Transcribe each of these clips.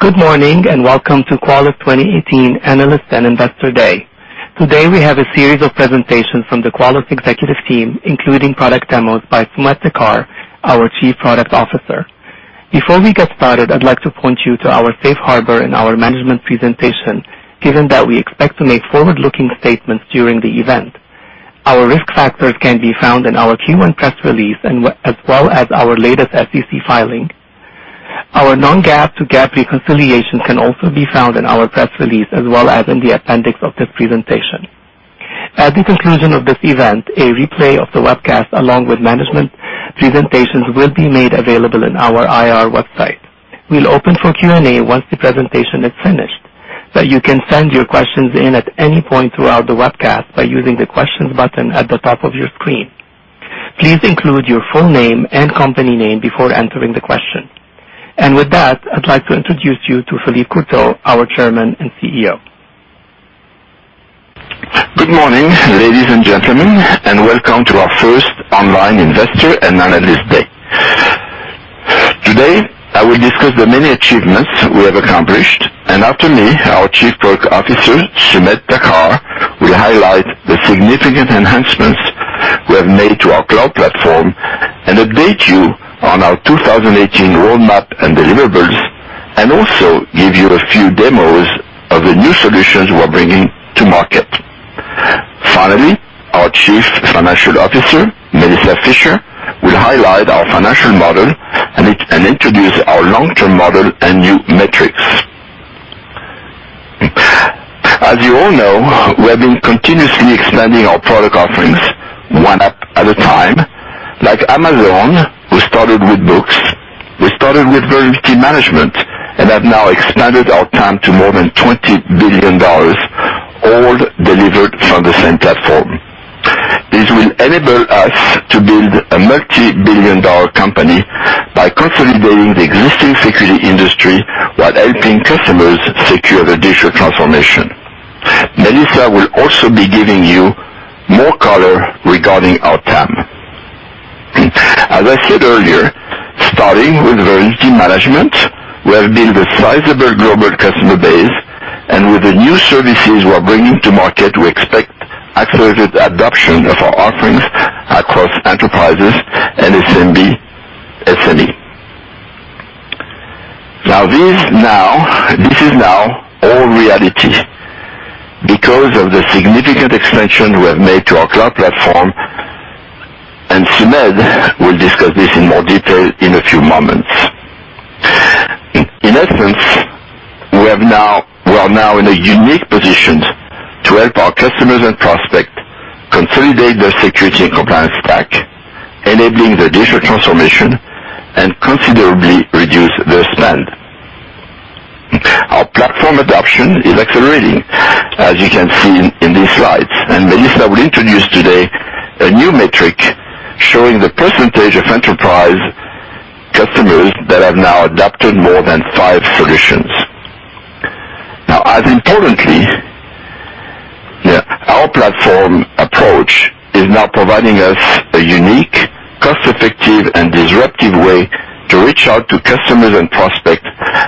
Good morning. Welcome to Qualys 2018 Analyst and Investor Day. Today, we have a series of presentations from the Qualys executive team, including product demos by Sumedh Thakar, our Chief Product Officer. Before we get started, I'd like to point you to our safe harbor in our management presentation, given that we expect to make forward-looking statements during the event. Our risk factors can be found in our Q1 press release, as well as our latest SEC filing. Our non-GAAP to GAAP reconciliation can also be found in our press release as well as in the appendix of this presentation. At the conclusion of this event, a replay of the webcast, along with management presentations, will be made available on our IR website. We'll open for Q&A once the presentation is finished. You can send your questions in at any point throughout the webcast by using the questions button at the top of your screen. Please include your full name and company name before entering the question. With that, I'd like to introduce you to Philippe Courtot, our Chairman and CEO. Good morning, ladies and gentlemen. Welcome to our first online Investor and Analyst Day. Today, I will discuss the many achievements we have accomplished, and after me, our Chief Product Officer, Sumedh Thakar, will highlight the significant enhancements we have made to our Cloud Platform and update you on our 2018 roadmap and deliverables, and also give you a few demos of the new solutions we're bringing to market. Finally, our Chief Financial Officer, Melissa Fisher, will highlight our financial model and introduce our long-term model and new metrics. As you all know, we have been continuously expanding our product offerings one app at a time. Like Amazon, who started with books, we started with vulnerability management and have now expanded our TAM to more than $20 billion, all delivered from the same platform. This will enable us to build a multi-billion dollar company by consolidating the existing security industry while helping customers secure their digital transformation. Melissa will also be giving you more color regarding our TAM. As I said earlier, starting with vulnerability management, we have built a sizable global customer base, and with the new services we're bringing to market, we expect accelerated adoption of our offerings across enterprises and SME. This is now all reality because of the significant expansion we have made to our Cloud Platform, and Sumedh will discuss this in more detail in a few moments. In essence, we are now in a unique position to help our customers and prospects consolidate their security and compliance stack, enabling their digital transformation and considerably reduce their spend. Our platform adoption is accelerating, as you can see in these slides, Melissa will introduce today a new metric showing the percentage of enterprise customers that have now adopted more than five solutions. As importantly, our platform approach is now providing us a unique, cost-effective, and disruptive way to reach out to customers and prospects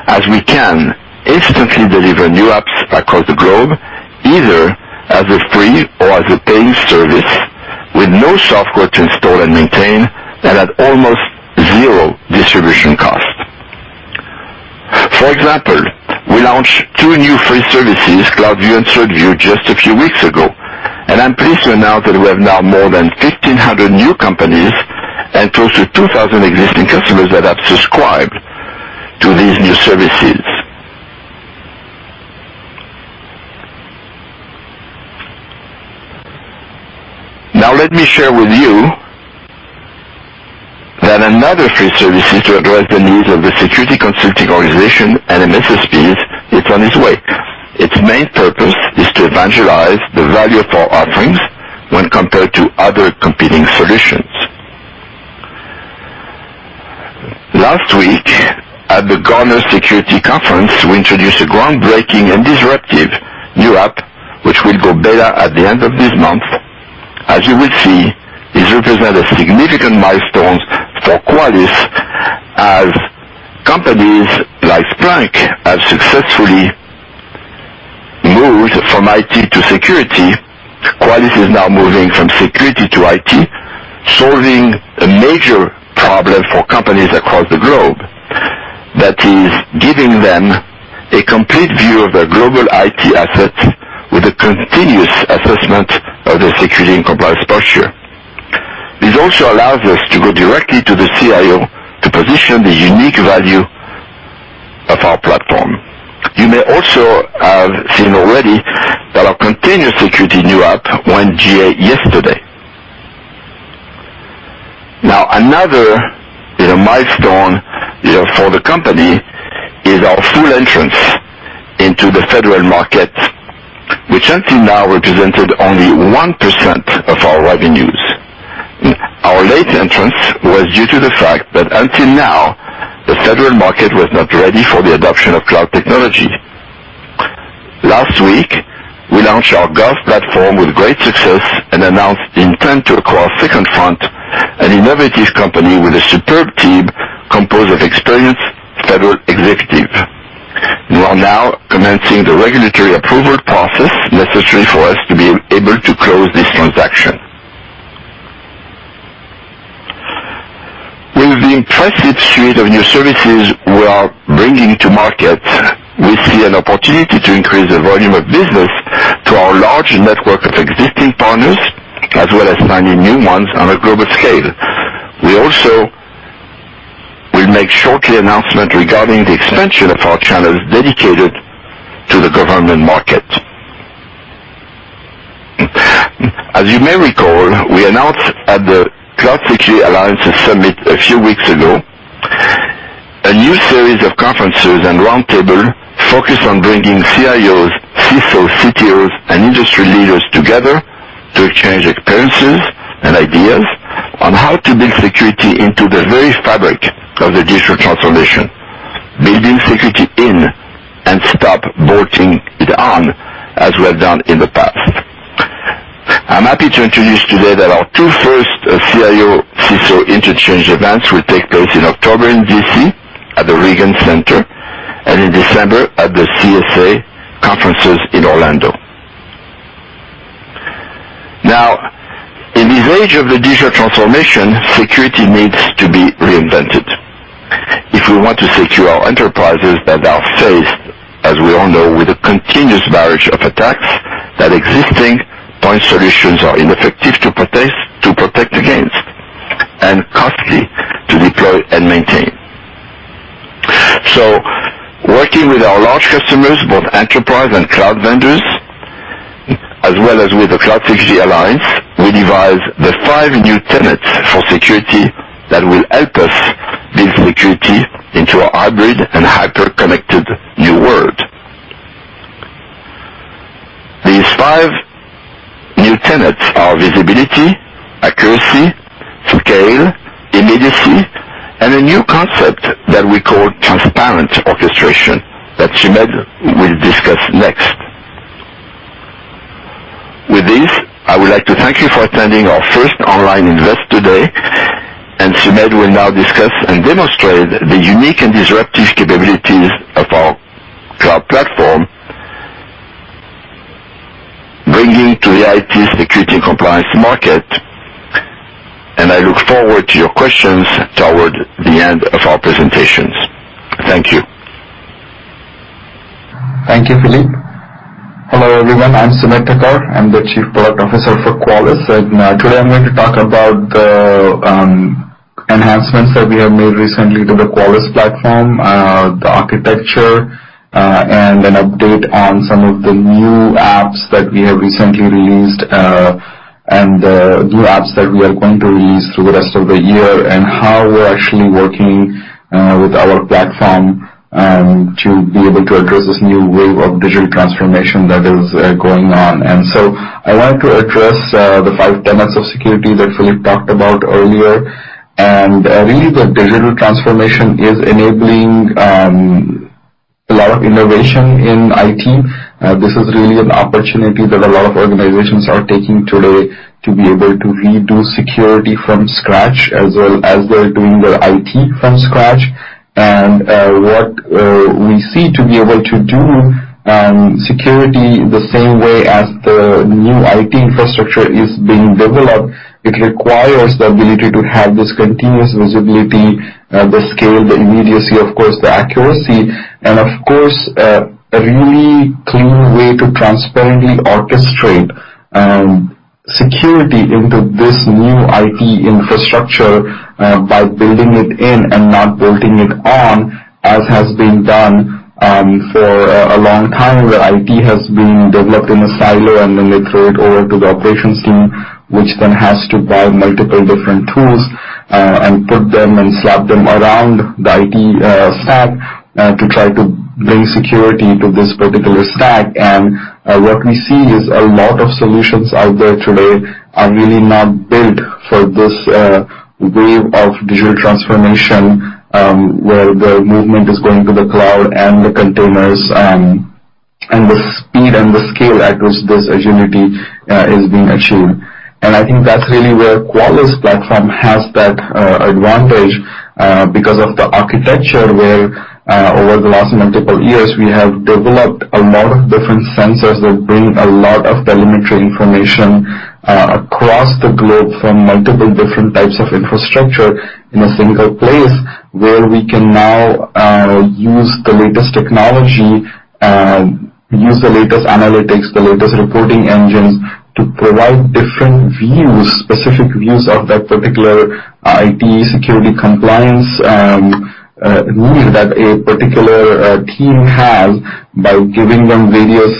as we can instantly deliver new apps across the globe, either as a free or as a paying service with no software to install and maintain and at almost zero distribution cost. For example, we launched two new free services, CloudView and CertView, just a few weeks ago, and I'm pleased to announce that we have now more than 1,500 new companies and close to 2,000 existing customers that have subscribed to these new services. Let me share with you that another free service to address the needs of the security consulting organization and MSPs is on its way. Its main purpose is to evangelize the value of our offerings when compared to other competing solutions. Last week, at the Gartner Security Conference, we introduced a groundbreaking and disruptive new app, which will go beta at the end of this month. As you will see, this represents a significant milestone for Qualys as companies like Splunk have successfully moved from IT to security. Qualys is now moving from security to IT, solving a major problem for companies across the globe. That is giving them a complete view of their global IT assets with a continuous assessment of their security and compliance posture. This also allows us to go directly to the CIO to position the unique value of our platform. You may also have seen already that our continuous security new app went GA yesterday. Another milestone for the company is our full entrance into the federal market, which until now represented only 1% of our revenues. Our late entrance was due to the fact that until now, the federal market was not ready for the adoption of cloud technology. Last week, we launched our Gov platform with great success and announced the intent to acquire Second Front, an innovative company with a superb team composed of experienced federal executives. We are now commencing the regulatory approval process necessary for us to be able to close this transaction. With the impressive suite of new services we are bringing to market, we see an opportunity to increase the volume of business to our large network of existing partners, as well as finding new ones on a global scale. We also will make shortly announcement regarding the expansion of our channels dedicated to the government market. As you may recall, we announced at the Cloud Security Alliance Summit a few weeks ago, a new series of conferences and roundtable focused on bringing CIOs, CISO, CTOs, and industry leaders together to exchange experiences and ideas on how to build security into the very fabric of the digital transformation, building security in and stop bolting it on, as we have done in the past. I'm happy to introduce today that our two first CIO/CISO interchange events will take place in October in D.C. at the Reagan Center, and in December at the CSA conferences in Orlando. In this age of the digital transformation, security needs to be reinvented. If we want to secure our enterprises that are faced, as we all know, with a continuous barrage of attacks, that existing point solutions are ineffective to protect against, and costly to deploy and maintain. Working with our large customers, both enterprise and cloud vendors, as well as with the Cloud Security Alliance, we devised the five new tenets for security that will help us build security into our hybrid and hyper-connected new world. These five new tenets are visibility, accuracy, scale, immediacy, and a new concept that we call transparent orchestration, that Sumedh will discuss next. With this, I would like to thank you for attending our first online investor day, and Sumedh will now discuss and demonstrate the unique and disruptive capabilities of our cloud platform, bringing to the IT security and compliance market, and I look forward to your questions toward the end of our presentations. Thank you. Thank you, Philippe. Hello, everyone. I'm Sumedh Thakar. I'm the Chief Product Officer for Qualys. Today I'm going to talk about the enhancements that we have made recently to the Qualys platform, the architecture, and an update on some of the new apps that we have recently released, and the new apps that we are going to release through the rest of the year, and how we're actually working with our platform to be able to address this new wave of digital transformation that is going on. I wanted to address the five tenets of security that Philippe talked about earlier. Really, the digital transformation is enabling a lot of innovation in IT. This is really an opportunity that a lot of organizations are taking today to be able to redo security from scratch, as well as they're doing their IT from scratch. What we see to be able to do security the same way as the new IT infrastructure is being developed, it requires the ability to have this continuous visibility, the scale, the immediacy, of course, the accuracy, and of course, a really clean way to transparently orchestrate security into this new IT infrastructure by building it in and not bolting it on, as has been done for a long time, where IT has been developed in a silo, then they throw it over to the operations team, which then has to buy multiple different tools and put them and slap them around the IT stack to try to bring security to this particular stack. What we see is a lot of solutions out there today are really not built for this wave of digital transformation, where the movement is going to the cloud and the containers, and the speed and the scale at which this agility is being achieved. I think that's really where Qualys platform has that advantage because of the architecture where over the last multiple years, we have developed a lot of different sensors that bring a lot of telemetry information across the globe from multiple different types of infrastructure in a single place where we can now use the latest technology, use the latest analytics, the latest reporting engines to provide different views, specific views of that particular IT security compliance need that a particular team has by giving them various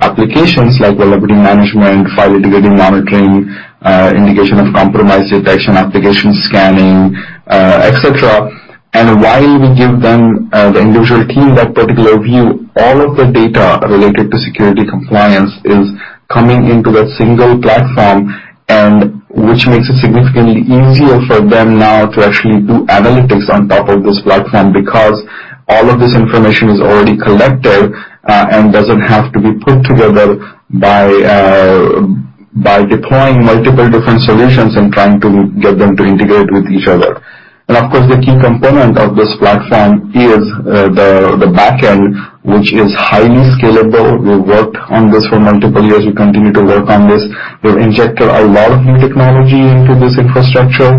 applications like vulnerability management, file integrity monitoring, indication of compromise detection, application scanning, et cetera. While we give them, the individual team, that particular view, all of the data related to security compliance is coming into that single platform, which makes it significantly easier for them now to actually do analytics on top of this platform, because all of this information is already collected and doesn't have to be put together by deploying multiple different solutions and trying to get them to integrate with each other. Of course, the key component of this platform is the back end, which is highly scalable. We've worked on this for multiple years. We continue to work on this. We've injected a lot of new technology into this infrastructure.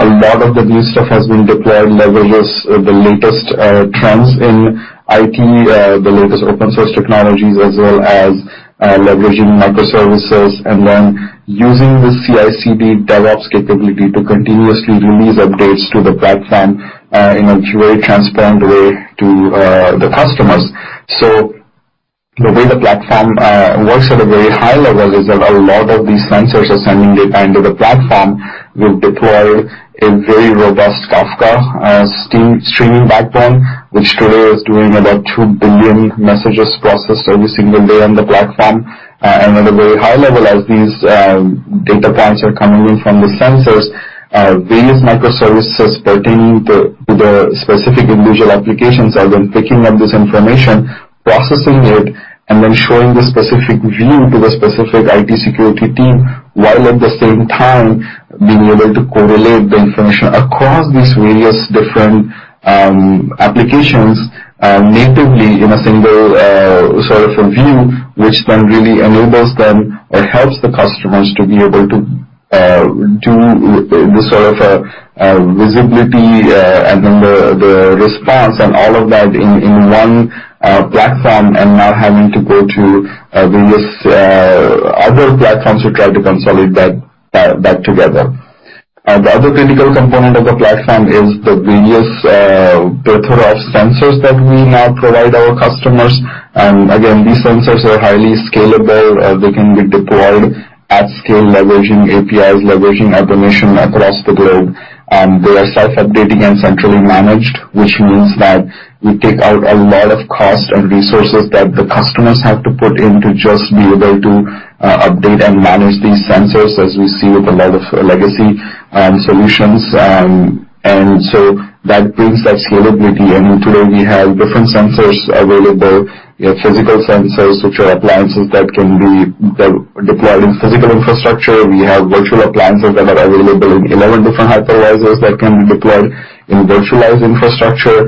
A lot of the new stuff has been deployed, leverages the latest trends in IT, the latest open source technologies, as well as leveraging microservices and then using the CI/CD DevOps capability to continuously release updates to the platform in a very transparent way to the customers. The way the platform works at a very high level is that a lot of these sensors are sending data into the platform. We've deployed a very robust Kafka streaming backbone, which today is doing about 2 billion messages processed every single day on the platform. At a very high level, as these data points are coming in from the sensors, various microservices pertaining to the specific individual applications are then picking up this information, processing it, and then showing the specific view to the specific IT security team, while at the same time being able to correlate the information across these various different applications natively in a single view, which then really enables them or helps the customers to be able to do this sort of visibility and then the response and all of that in one platform and not having to go to various other platforms to try to consolidate that back together. The other critical component of the platform is the various plethora of sensors that we now provide our customers. Again, these sensors are highly scalable. They can be deployed at scale leveraging APIs, leveraging automation across the globe. They are self-updating and centrally managed, which means that we take out a lot of cost and resources that the customers have to put in to just be able to update and manage these sensors, as we see with a lot of legacy solutions. That brings that scalability in. Today, we have different sensors available. We have physical sensors, which are appliances that can be deployed in physical infrastructure. We have virtual appliances that are available in 11 different hypervisors that can be deployed in virtualized infrastructure.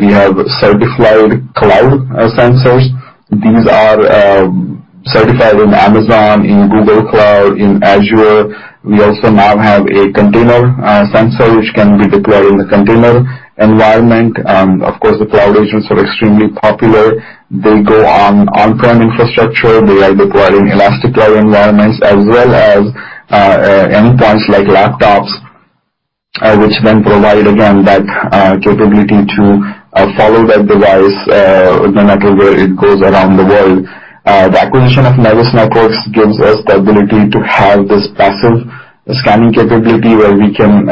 We have certified cloud sensors. These are certified in Amazon, in Google Cloud, in Azure. We also now have a container sensor, which can be deployed in the container environment. Of course, the cloud agents are extremely popular. They go on on-prem infrastructure. They are deployed in elastic cloud environments as well as endpoints like laptops, which then provide again that capability to follow that device no matter where it goes around the world. The acquisition of Nevis Networks gives us the ability to have this passive scanning capability where we can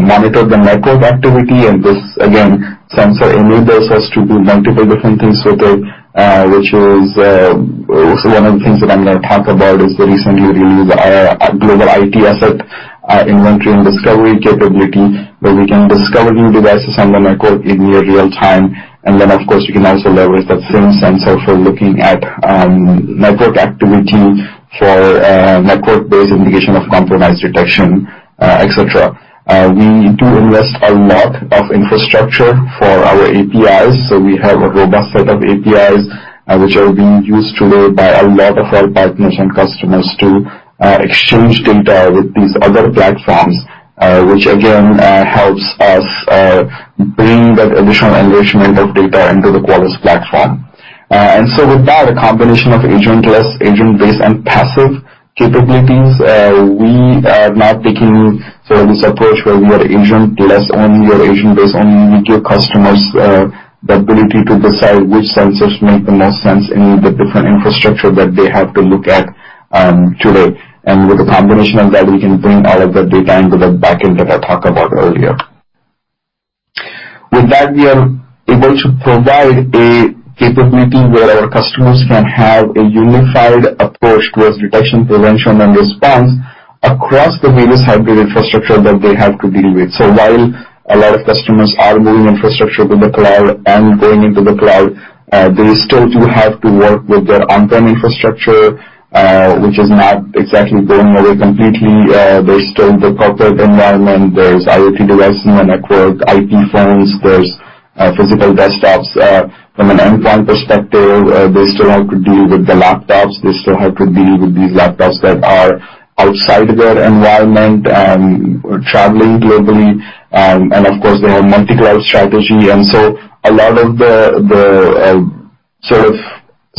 monitor the network activity and this, again, sensor enables us to do multiple different things with it, which is one of the things that I'm going to talk about is the recently released Global IT Asset Inventory and discovery capability, where we can discover new devices on the network in near real time. Of course, we can also leverage that same sensor for looking at network activity for network-based indication of compromise detection, et cetera. We do invest a lot of infrastructure for our APIs. We have a robust set of APIs, which are being used today by a lot of our partners and customers to exchange data with these other platforms, which again, helps us bring that additional enrichment of data into the Qualys platform. With that, a combination of agentless, agent-based, and passive capabilities, we are not taking this approach where we are agentless only or agent-based only. We give customers the ability to decide which sensors make the most sense in the different infrastructure that they have to look at today. With a combination of that, we can bring all of the data into the back end that I talked about earlier. With that, we are able to provide a capability where our customers can have a unified approach towards detection, prevention, and response across the various hybrid infrastructure that they have to deal with. While a lot of customers are moving infrastructure to the cloud and going into the cloud, they still do have to work with their on-prem infrastructure, which is not exactly going away completely. There's still the corporate environment, there's IoT devices in the network, IP phones, there's physical desktops. From an endpoint perspective, they still have to deal with the laptops, they still have to deal with these laptops that are outside their environment, traveling globally. Of course, they have multi-cloud strategy. A lot of the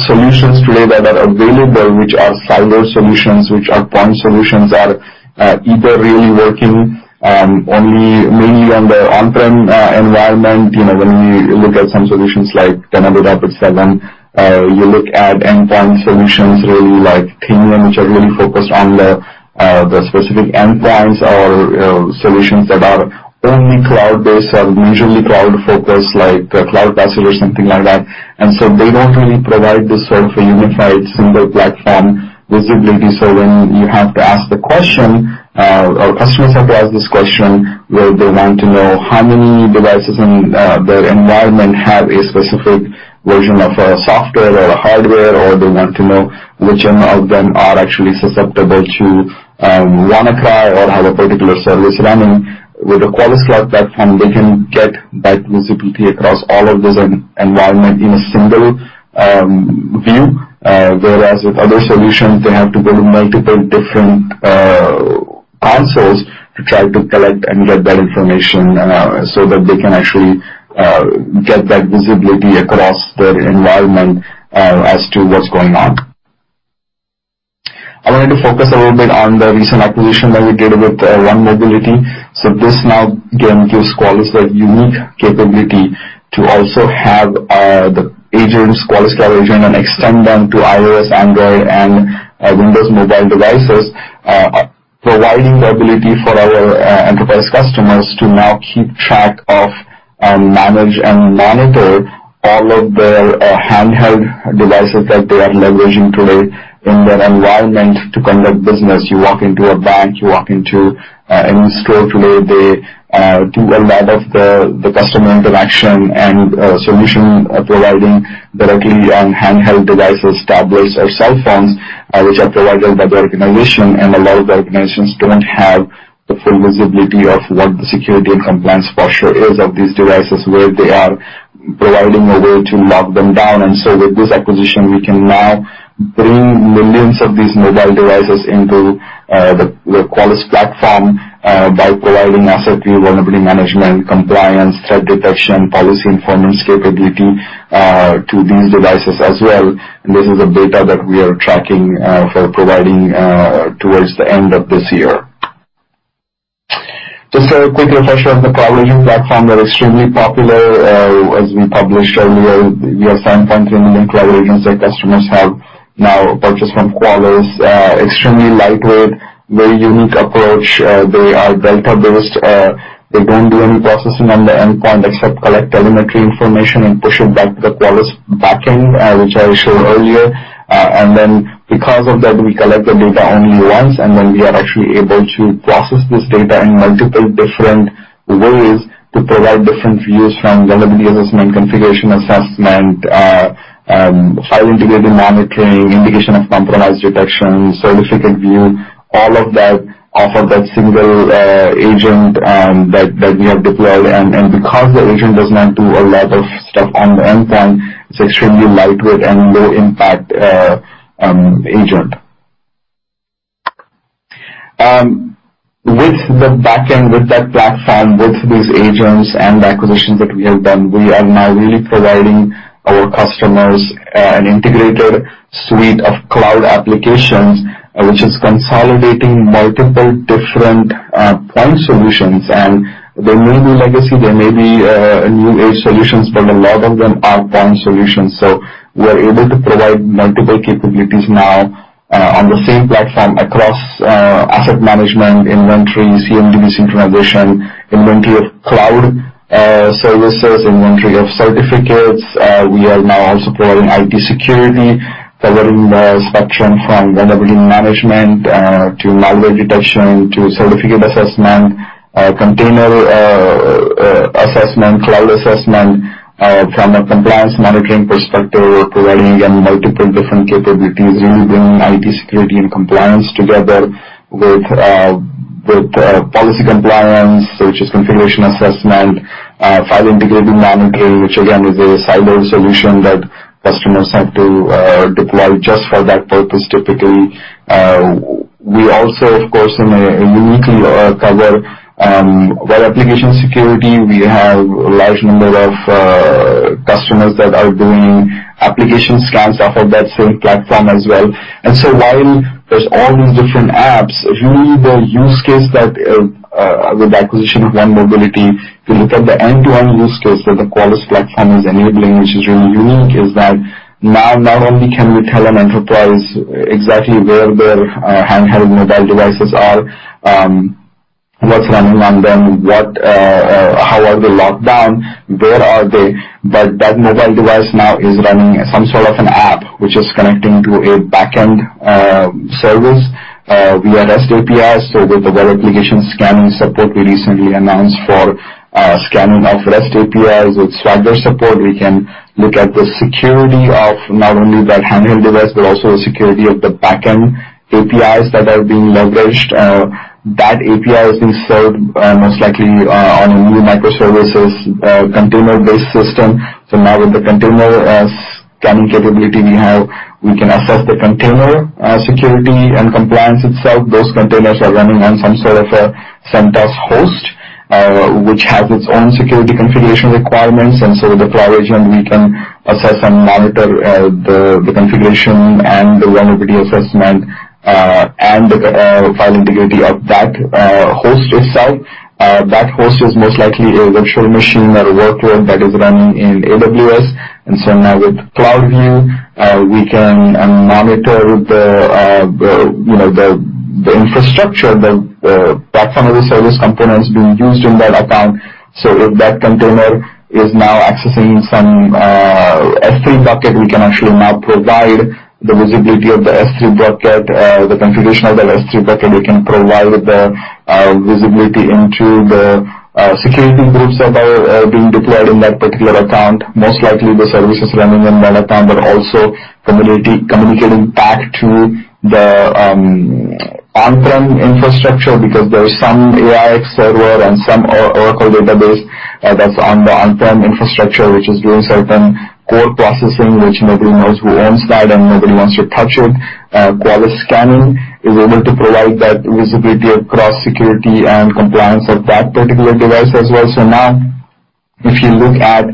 solutions today that are available, which are silo solutions, which are point solutions, are either really working only mainly on the on-prem environment. When you look at some solutions like Windows 7, you look at endpoint solutions really like which are really focused on the specific endpoints or solutions that are only cloud-based or majorly cloud-focused, like CloudPassage or something like that. They don't really provide this sort of a unified single platform visibility. When you have to ask the question, or customers have to ask this question, where they want to know how many devices in their environment have a specific version of a software or a hardware, or they want to know which of them are actually susceptible to WannaCry or have a particular service running, with the Qualys Cloud Platform, they can get that visibility across all of this environment in a single view. Whereas with other solutions, they have to go to multiple different consoles to try to collect and get that information, so that they can actually get that visibility across their environment as to what's going on. I wanted to focus a little bit on the recent acquisition that we did with 1Mobility. This now, again, gives Qualys a unique capability to also have the Qualys Cloud Agent and extend them to iOS, Android, and Windows mobile devices, providing the ability for our enterprise customers to now keep track of and manage and monitor all of their handheld devices that they are leveraging today in their environment to conduct business. You walk into a bank, you walk into any store today, they do a lot of the customer interaction and solution providing directly on handheld devices, tablets, or cell phones, which are provided by the organization, and a lot of the organizations don't have the full visibility of what the security and compliance posture is of these devices, where they are providing a way to lock them down. With this acquisition, we can now bring millions of these mobile devices into the Qualys platform by providing AssetView, vulnerability management, compliance, threat detection, policy conformance capability to these devices as well. This is the data that we are tracking for providing towards the end of this year. Just a quick refresher of the Qualys agent platform. They're extremely popular. As we published earlier, we have 7.3 million Cloud Agents that customers have now purchased from Qualys. Extremely lightweight, very unique approach. They are delta-based. They don't do any processing on the endpoint except collect telemetry information and push it back to the Qualys backend, which I showed earlier. Because of that, we collect the data only once, and then we are actually able to process this data in multiple different ways to provide different views from vulnerability assessment, configuration assessment, file integrity monitoring, indication of compromised detection, Certificate View, all of that off of that single agent that we have deployed. Because the agent does not do a lot of stuff on the endpoint, it's extremely lightweight and low impact agent. With the backend, with that platform, with these agents and the acquisitions that we have done, we are now really providing our customers an integrated suite of cloud applications, which is consolidating multiple different point solutions. They may be legacy, they may be new-age solutions, but a lot of them are point solutions. We are able to provide multiple capabilities now on the same platform across asset management, inventory, CMDB synchronization, inventory of cloud services, inventory of certificates. We are now also providing IT security, covering the spectrum from vulnerability management to malware detection to certificate assessment, container assessment, cloud assessment. From a compliance monitoring perspective, we are providing multiple different capabilities, bringing IT security and compliance together with policy compliance, which is configuration assessment, file integrity monitoring, which again, is a siloed solution that customers have to deploy just for that purpose typically. We also, of course, uniquely cover web application security. We have a large number of customers that are doing application scans off of that same platform as well. While there is all these different apps, if you look at the use case with the acquisition of 1Mobility, if you look at the end-to-end use case that the Qualys platform is enabling, which is really unique, is that now not only can we tell an enterprise exactly where their handheld mobile devices are, what is running on them, how are they locked down, where are they, but that mobile device now is running some sort of an app which is connecting to a backend service via REST APIs. With the web application scanning support we recently announced for scanning of REST APIs with Swagger support, we can look at the security of not only that handheld device, but also the security of the backend APIs that are being leveraged. That API is being served most likely on a new microservices container-based system. Now with the container scanning capability we have, we can assess the container security and compliance itself. Those containers are running on some sort of a CentOS host, which has its own security configuration requirements. With the Qualys Cloud Agent, we can assess and monitor the configuration and the vulnerability assessment, and the file integrity of that host itself. That host is most likely a virtual machine or a workload that is running in AWS. Now with CloudView, we can monitor the infrastructure, the platform as a service components being used in that account. If that container is now accessing some S3 bucket, we can actually now provide the visibility of the S3 bucket, the configuration of that S3 bucket. We can provide the visibility into the security groups that are being deployed in that particular account. Most likely, the service is running in that account, but also communicating back to the on-prem infrastructure because there is some AIX server and some Oracle database that is on the on-prem infrastructure, which is doing certain core processing, which nobody knows who owns that and nobody wants to touch it. Qualys scanning is able to provide that visibility across security and compliance of that particular device as well. Now, if you look at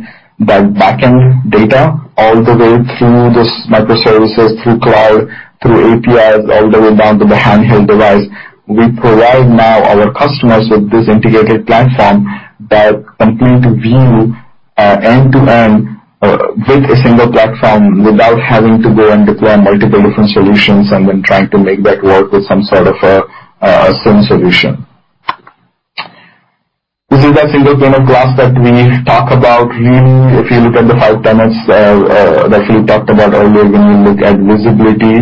that backend data all the way through those microservices, through cloud, through APIs, all the way down to the handheld device, we provide now our customers with this integrated platform that complete view end-to-end with a single platform without having to go and deploy multiple different solutions and then trying to make that work with some sort of a SIEM solution. This is that single pane of glass that we talk about. If you look at the five tenets that we talked about earlier, when you look at visibility,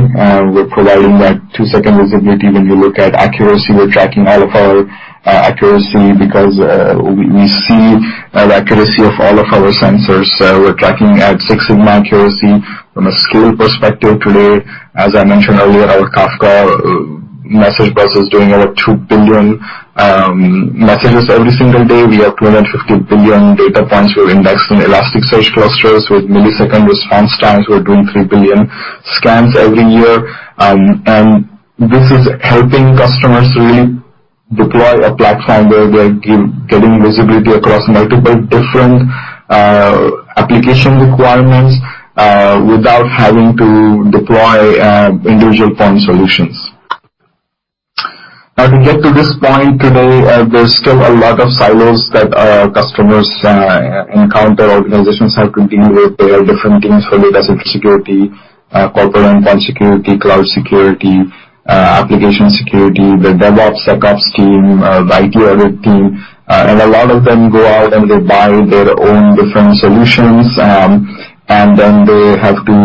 we're providing that two-second visibility. When you look at accuracy, we're tracking all of our accuracy because we see the accuracy of all of our sensors. We're tracking at Six Sigma accuracy from a scale perspective today. As I mentioned earlier, our Kafka message bus is doing over two billion messages every single day. We have 250 billion data points. We have indexed and Elasticsearch clusters with millisecond response times. We're doing three billion scans every year. This is helping customers really deploy a platform where they're getting visibility across multiple different application requirements without having to deploy individual point solutions. To get to this point today, there's still a lot of silos that our customers encounter. Organizations have to deal with their different teams for data center security, corporate endpoint security, cloud security, application security, the DevOps, SecOps team, the IT audit team. A lot of them go out and they buy their own different solutions, and then they have to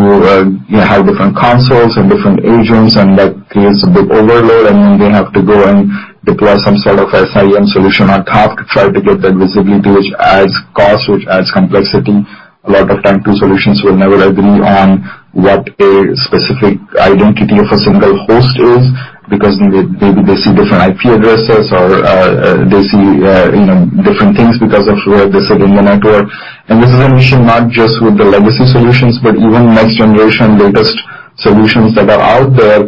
have different consoles and different agents, and that creates a big overload. Then they have to go and deploy some sort of SIEM solution on top to try to get that visibility, which adds cost, which adds complexity. A lot of time, two solutions will never agree on what a specific identity of a single host is because maybe they see different IP addresses or they see different things because of where they sit in the network. This is an issue not just with the legacy solutions, but even next generation latest solutions that are out there,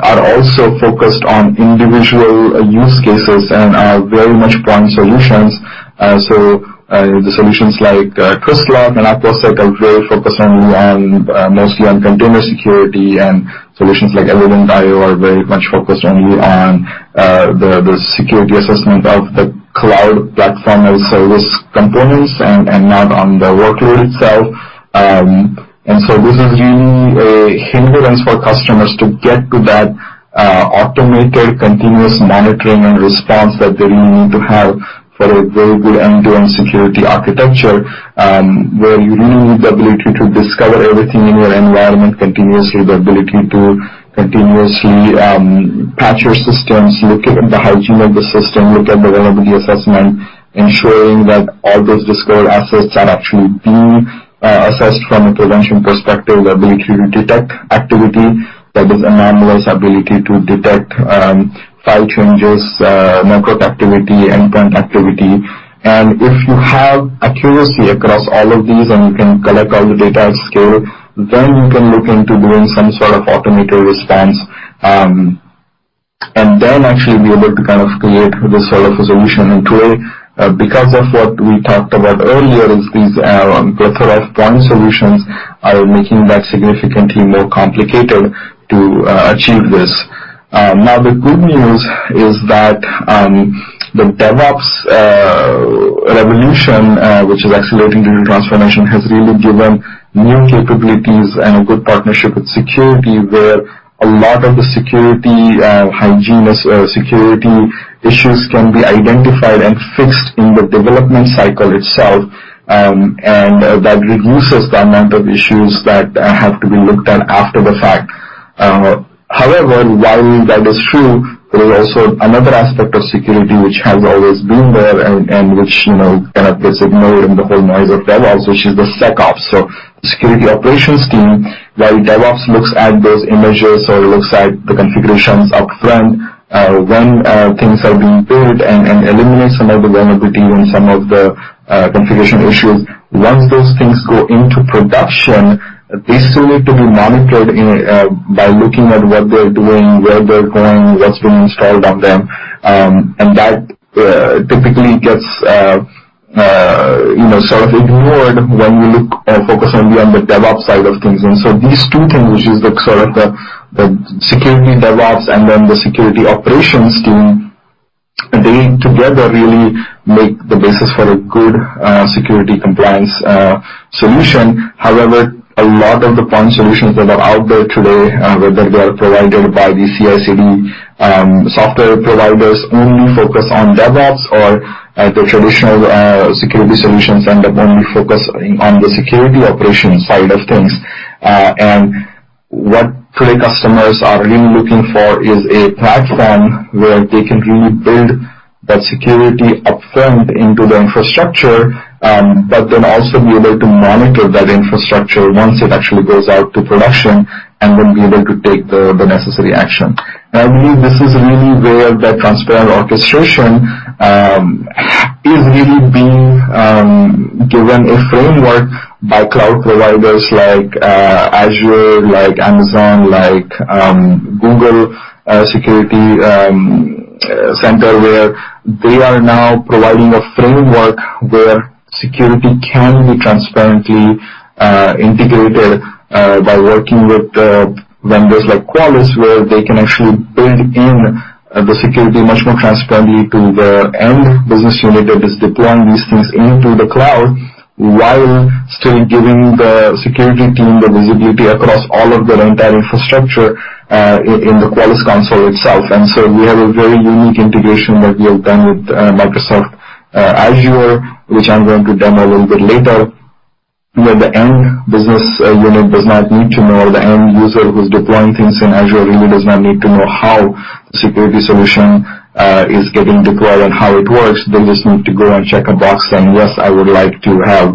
are also focused on individual use cases and are very much point solutions. The solutions like Twistlock and Aqua Sec are very focused mostly on Container Security, and solutions like Evident.io are very much focused only on the security assessment of the cloud platform as service components and not on the workload itself. This is really a hindrance for customers to get to that automated continuous monitoring and response that they really need to have for a very good end-to-end security architecture, where you really need the ability to discover everything in your environment continuously, the ability to continuously patch your systems, look at the hygiene of the system, look at the vulnerability assessment, ensuring that all those discovered assets are actually being assessed from a prevention perspective, the ability to detect activity that is anomalous, ability to detect file changes, network activity, endpoint activity. If you have accuracy across all of these and you can collect all the data at scale, then you can look into doing some sort of automated response, and then actually be able to kind of create this sort of a solution. Today, because of what we talked about earlier, is these plethora of point solutions are making that significantly more complicated to achieve this. The good news is that the DevOps revolution which is accelerating digital transformation, has really given new capabilities and a good partnership with security, where a lot of the security hygiene as security issues can be identified and fixed in the development cycle itself, and that reduces the amount of issues that have to be looked at after the fact. While that is true, there is also another aspect of security which has always been there and which kind of gets ignored in the whole noise of DevOps, which is the SecOps, so security operations team. While DevOps looks at those images or looks at the configurations upfront when things are being built and eliminates some of the vulnerability and some of the configuration issues, once those things go into production, they still need to be monitored by looking at what they're doing, where they're going, what's been installed on them. That typically gets sort of ignored when we look or focus only on the DevOps side of things. These two things, which is the sort of the security DevOps and then the security operations team. They together really make the basis for a good security compliance solution. A lot of the point solutions that are out there today, whether they are provided by the CI/CD software providers, only focus on DevOps or the traditional security solutions end up only focusing on the security operations side of things. What today customers are really looking for is a platform where they can really build that security upfront into the infrastructure, but then also be able to monitor that infrastructure once it actually goes out to production and then be able to take the necessary action. I believe this is really where that transparent orchestration is really being given a framework by cloud providers like Azure, like Amazon, like Google Security Center, where they are now providing a framework where security can be transparently integrated by working with vendors like Qualys, where they can actually build in the security much more transparently to the end business unit that is deploying these things into the cloud while still giving the security team the visibility across all of their entire infrastructure in the Qualys console itself. We have a very unique integration that we have done with Microsoft Azure, which I'm going to demo a little bit later, where the end business unit does not need to know, the end user who's deploying things in Azure really does not need to know how the security solution is getting deployed and how it works. They just need to go and check a box saying, "Yes, I would like to have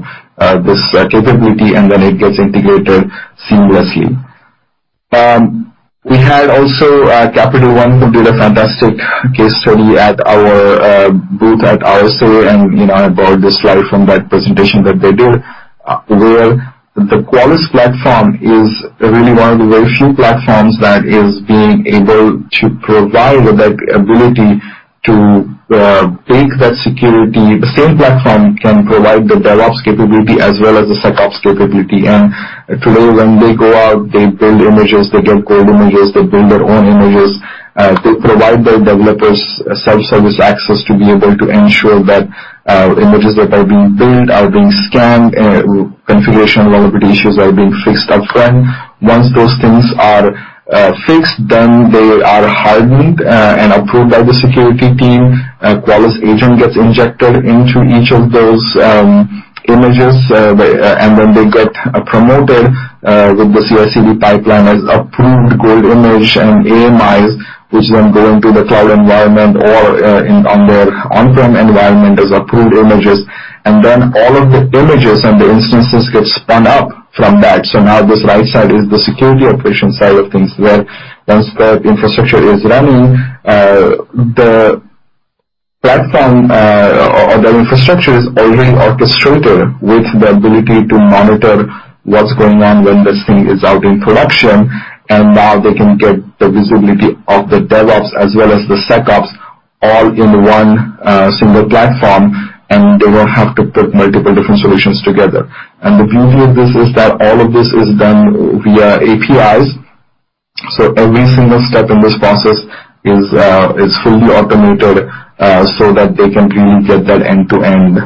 this capability," and then it gets integrated seamlessly. We had also Capital One who did a fantastic case study at our booth at RSA. I borrowed this slide from that presentation that they did, where the Qualys platform is really one of the very few platforms that is being able to provide that ability to take that security. The same platform can provide the DevOps capability as well as the SecOps capability. Today, when they go out, they build images, they get code images, they build their own images. They provide their developers self-service access to be able to ensure that images that are being built are being scanned, configuration vulnerability issues are being fixed upfront. Once those things are fixed, then they are hardened and approved by the security team. A Qualys agent gets injected into each of those images, then they get promoted with the CI/CD pipeline as approved gold image and AMIs, which then go into the cloud environment or on their on-prem environment as approved images. Then all of the images and the instances get spun up from that. Now this right side is the security operations side of things, where once the infrastructure is running, the platform or the infrastructure is already orchestrated with the ability to monitor what's going on when this thing is out in production. Now they can get the visibility of the DevOps as well as the SecOps all in one single platform, and they won't have to put multiple different solutions together. The beauty of this is that all of this is done via APIs, so every single step in this process is fully automated so that they can really get that end-to-end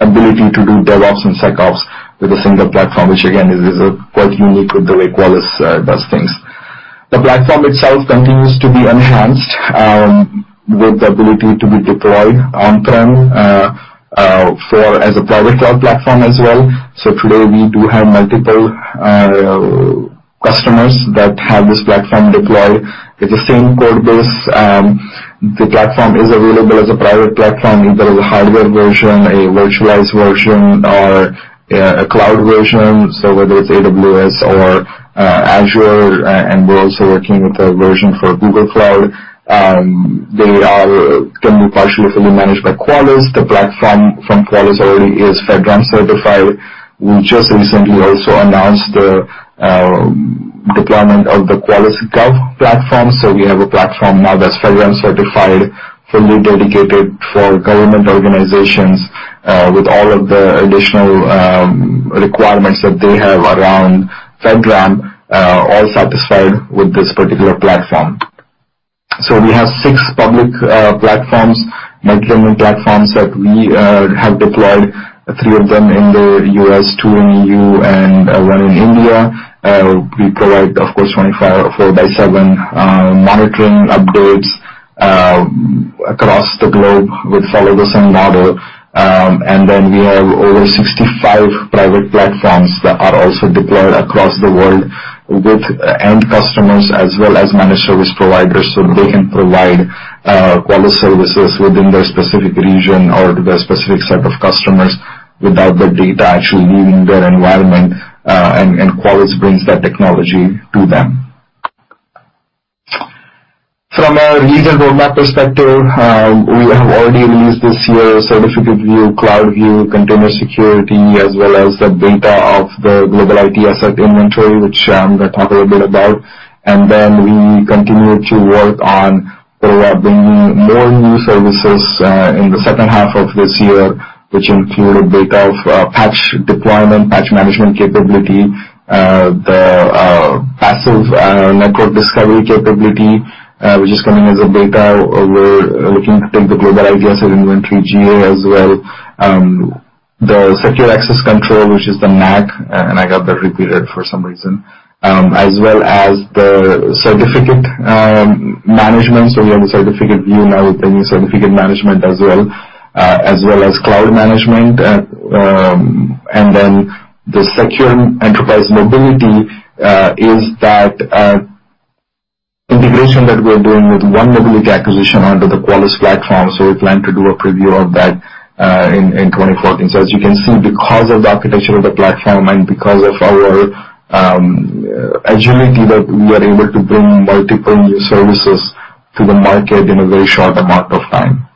ability to do DevOps and SecOps with a single platform, which again, is quite unique with the way Qualys does things. The platform itself continues to be enhanced with the ability to be deployed on-prem as a private cloud platform as well. Today we do have multiple customers that have this platform deployed. It's the same code base. The platform is available as a private platform, either as a hardware version, a virtualized version, or a cloud version. Whether it's AWS or Azure, and we're also working with a version for Google Cloud. They can be partially or fully managed by Qualys. The platform from Qualys already is FedRAMP certified. We just recently also announced the deployment of the Qualys Gov platform. We have a platform now that's FedRAMP certified, fully dedicated for government organizations with all of the additional requirements that they have around FedRAMP all satisfied with this particular platform. We have six public platforms, management platforms that we have deployed, three of them in the U.S., two in EU, and one in India. We provide, of course, 24 by seven monitoring upgrades across the globe which follow the same model. Then we have over 65 private platforms that are also deployed across the world with end customers as well as managed service providers so they can provide Qualys services within their specific region or their specific set of customers without the data actually leaving their environment, and Qualys brings that technology to them. From a release and roadmap perspective, we have already released this year Certificate View, CloudView, Container Security, as well as the data of the Global IT Asset Inventory, which I'm going to talk a little bit about. Then we continue to work on bringing more new services in the second half of this year, which include data of patch deployment, patch management capability, the passive network discovery capability, which is coming as a beta. We're looking to take the Global IT Asset Inventory GA as well. The secure access control, which is the NAC, and I got that repeated for some reason, as well as the certificate management. We have a Certificate View now with the new certificate management as well, as well as cloud management. The secure enterprise mobility is that integration that we're doing with 1Mobility acquisition under the Qualys platform. We plan to do a preview of that in 2014. As you can see, because of the architecture of the platform and because of our agility, that we are able to bring multiple new services to the market in a very short amount of time.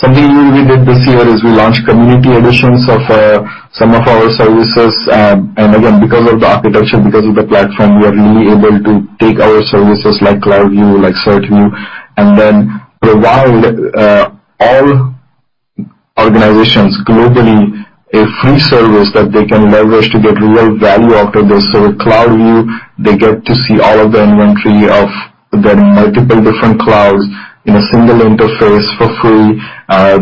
Something new we did this year is we launched community editions of some of our services. Again, because of the architecture, because of the platform, we are really able to take our services like CloudView, like CertView, and then provide all organizations globally a free service that they can leverage to get real value out of this. With CloudView, they get to see all of the inventory of their multiple different clouds in a single interface for free.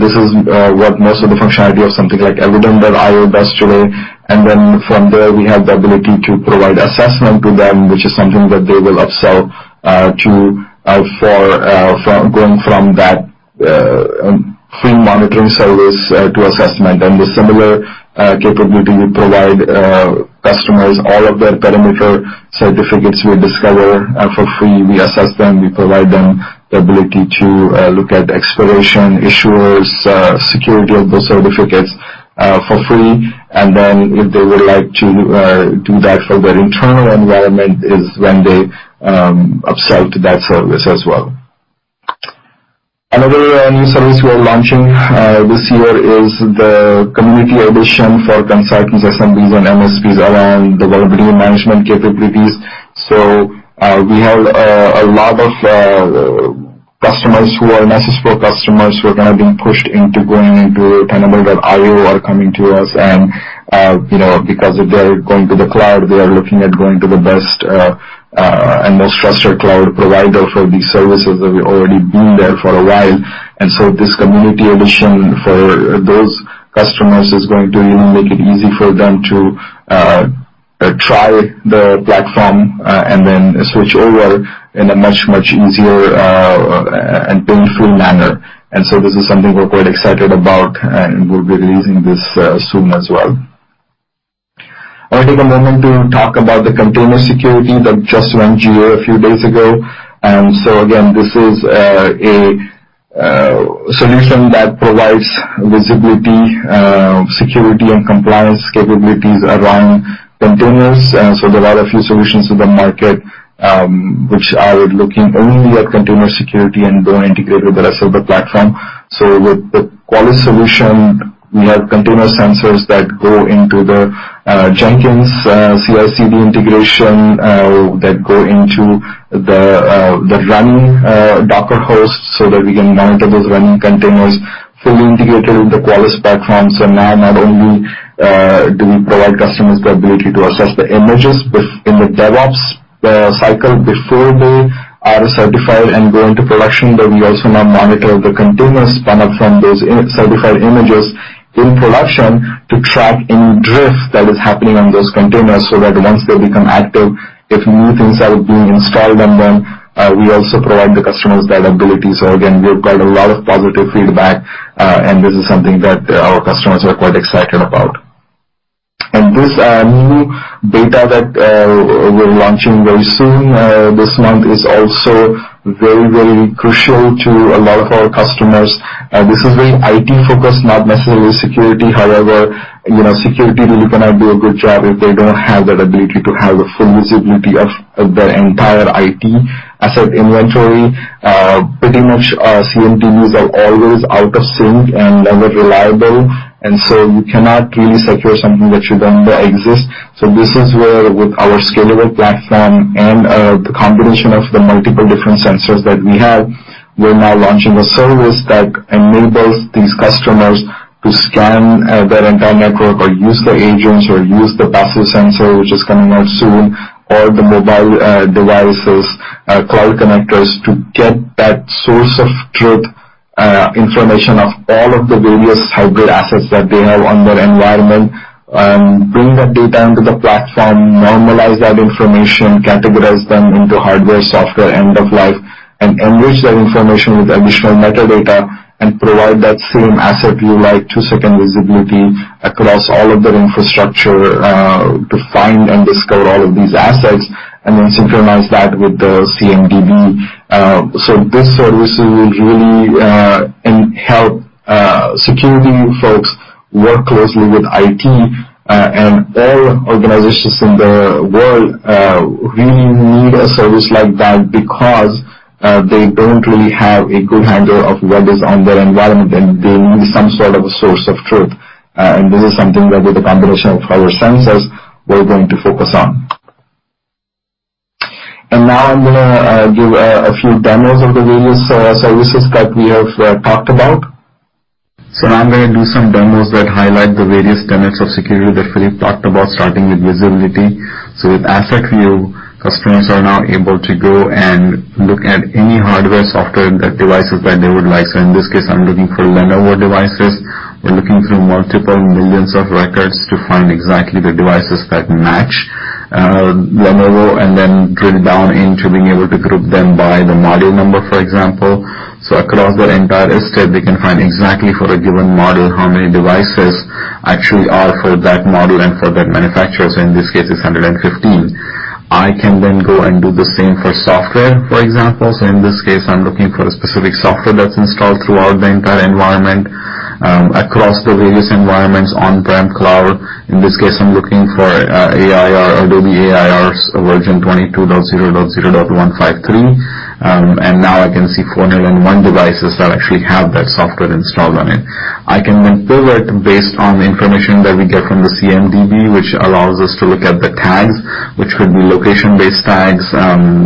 This is what most of the functionality of something like Evident.io does today. Then from there, we have the ability to provide assessment to them, which is something that they will upsell going from that free monitoring service to assessment. The similar capability we provide customers, all of their perimeter certificates we discover for free. We assess them, we provide them the ability to look at expiration, issuers, security of those certificates for free. Then if they would like to do that for their internal environment, is when they upsell to that service as well. Another new service we are launching this year is the community edition for consultants, SMBs, and MSPs around the vulnerability management capabilities. We have a lot of customers who are necessary customers who are now being pushed into going into Tenable.io are coming to us. Because they're going to the cloud, they are looking at going to the best and most trusted cloud provider for these services that we've already been there for a while. This community edition for those customers is going to really make it easy for them to try the platform and then switch over in a much, much easier and pain-free manner. This is something we're quite excited about, and we'll be releasing this soon as well. I want to take a moment to talk about the Container Security that just went GA a few days ago. Again, this is a solution that provides visibility, security, and compliance capabilities around containers. There are a few solutions in the market which are looking only at Container Security and don't integrate with the rest of the platform. With the Qualys solution, we have container sensors that go into the Jenkins CI/CD integration, that go into the running Docker host so that we can monitor those running containers fully integrated with the Qualys platform. Not only do we provide customers the ability to assess the images in the DevOps cycle before they are certified and go into production, we also now monitor the containers spun up from those certified images in production to track any drift that is happening on those containers, that once they become active, if new things are being installed on them, we also provide the customers that ability. Again, we've got a lot of positive feedback, and this is something that our customers are quite excited about. This new beta that we're launching very soon this month is also very, very crucial to a lot of our customers. This is very IT-focused, not necessarily security. However, security really cannot do a good job if they don't have that ability to have a full visibility of their entire IT asset inventory. Pretty much CMDBs are always out of sync and never reliable, you cannot really secure something that you don't know exists. This is where with our scalable platform and the combination of the multiple different sensors that we have, we're now launching a service that enables these customers to scan their entire network or use the agents or use the passive sensor, which is coming out soon, or the mobile devices, cloud connectors, to get that source of truth information of all of the various hybrid assets that they have on their environment, bring that data into the platform, normalize that information, categorize them into hardware, software, end of life, and enrich that information with additional metadata and provide that same AssetView, like two-second visibility across all of their infrastructure to find and discover all of these assets, and then synchronize that with the CMDB. This service will really help security folks work closely with IT. All organizations in the world really need a service like that because they don't really have a good handle of what is on their environment, and they need some sort of source of truth. This is something that with the combination of our sensors, we're going to focus on. Now I'm going to give a few demos of the various services that we have talked about. Now I'm going to do some demos that highlight the various tenets of security that Philippe talked about, starting with visibility. With AssetView, customers are now able to go and look at any hardware, software, and the devices that they would like. In this case, I'm looking for Lenovo devices. We're looking through multiple millions of records to find exactly the devices that match Lenovo, and then drill down into being able to group them by the model number, for example. Across their entire estate, they can find exactly for a given model, how many devices actually are for that model and for that manufacturer. In this case, it's 115. I can then go and do the same for software, for example. In this case, I'm looking for a specific software that's installed throughout the entire environment, across the various environments on-prem cloud. In this case, I'm looking for Adobe AIR version 22.0.0.153. Now I can see 401 devices that actually have that software installed on it. I can then pivot based on the information that we get from the CMDB, which allows us to look at the tags, which could be location-based tags,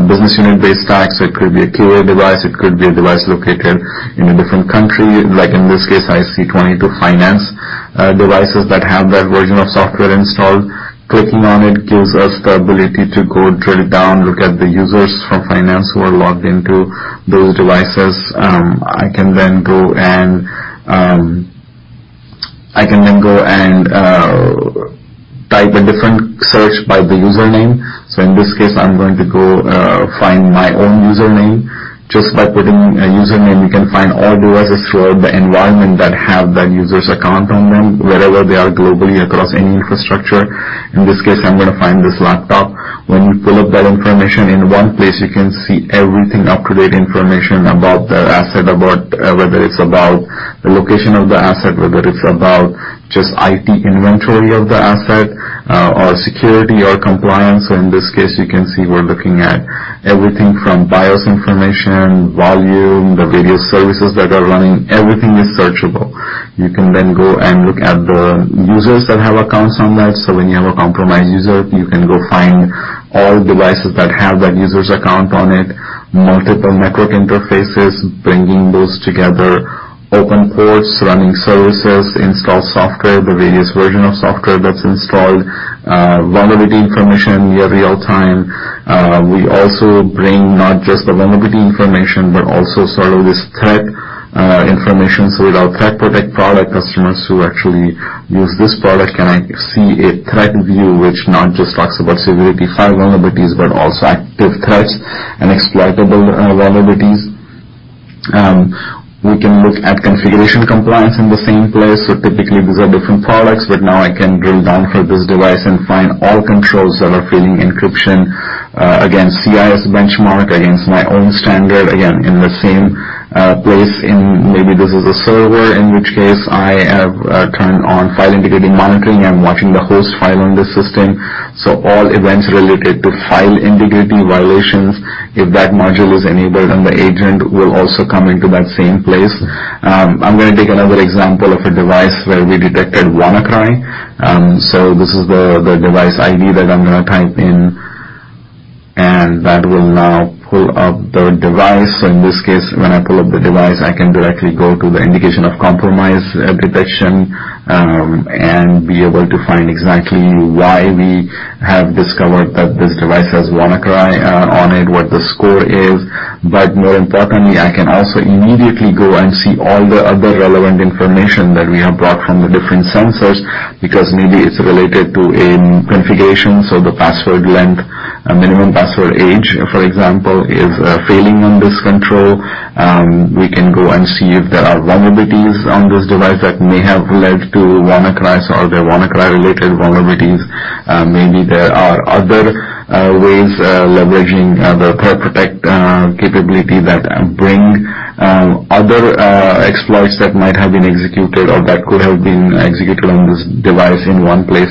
business unit-based tags. It could be a QA device, it could be a device located in a different country. In this case, I see 22 finance devices that have that version of software installed. Clicking on it gives us the ability to go drill down, look at the users from finance who are logged into those devices. I can then go and type a different search by the username. In this case, I'm going to go find my own username. Just by putting a username, you can find all devices throughout the environment that have that user's account on them wherever they are globally across any infrastructure. In this case, I'm going to find this laptop. When you pull up that information in one place, you can see everything up-to-date information about the asset, whether it's about the location of the asset, whether it's about just IT inventory of the asset, or security or compliance. In this case, you can see we're looking at everything from BIOS information, volume, the various services that are running. Everything is searchable. You can then go and look at the users that have accounts on that. When you have a compromised user, you can go find all devices that have that user's account on it, multiple network interfaces, bringing those together, open ports, running services, installed software, the various version of software that's installed, vulnerability information via real-time. We also bring not just the vulnerability information, but also sort of this threat information. With our Threat Protection product, customers who actually use this product can see a threat view, which not just talks about severity file vulnerabilities, but also active threats and exploitable vulnerabilities. We can look at configuration compliance in the same place. Typically, these are different products, but now I can drill down for this device and find all controls that are failing encryption, against CIS benchmark, against my own standard, again, in the same place. Maybe this is a server, in which case I have turned on file integrity monitoring. I'm watching the host file on this system. All events related to file integrity violations, if that module is enabled on the agent, will also come into that same place. I'm going to take another example of a device where we detected WannaCry. This is the device ID that I'm going to type in, that will now pull up the device. In this case, when I pull up the device, I can directly go to the indication of compromise detection, be able to find exactly why we have discovered that this device has WannaCry on it, what the score is. More importantly, I can also immediately go and see all the other relevant information that we have brought from the different sensors, because maybe it's related to a configuration. The password length, minimum password age, for example, is failing on this control. We can go and see if there are vulnerabilities on this device that may have led to WannaCry, all the WannaCry related vulnerabilities. Maybe there are other ways, leveraging the Threat Protection capability that bring other exploits that might have been executed or that could have been executed on this device in one place.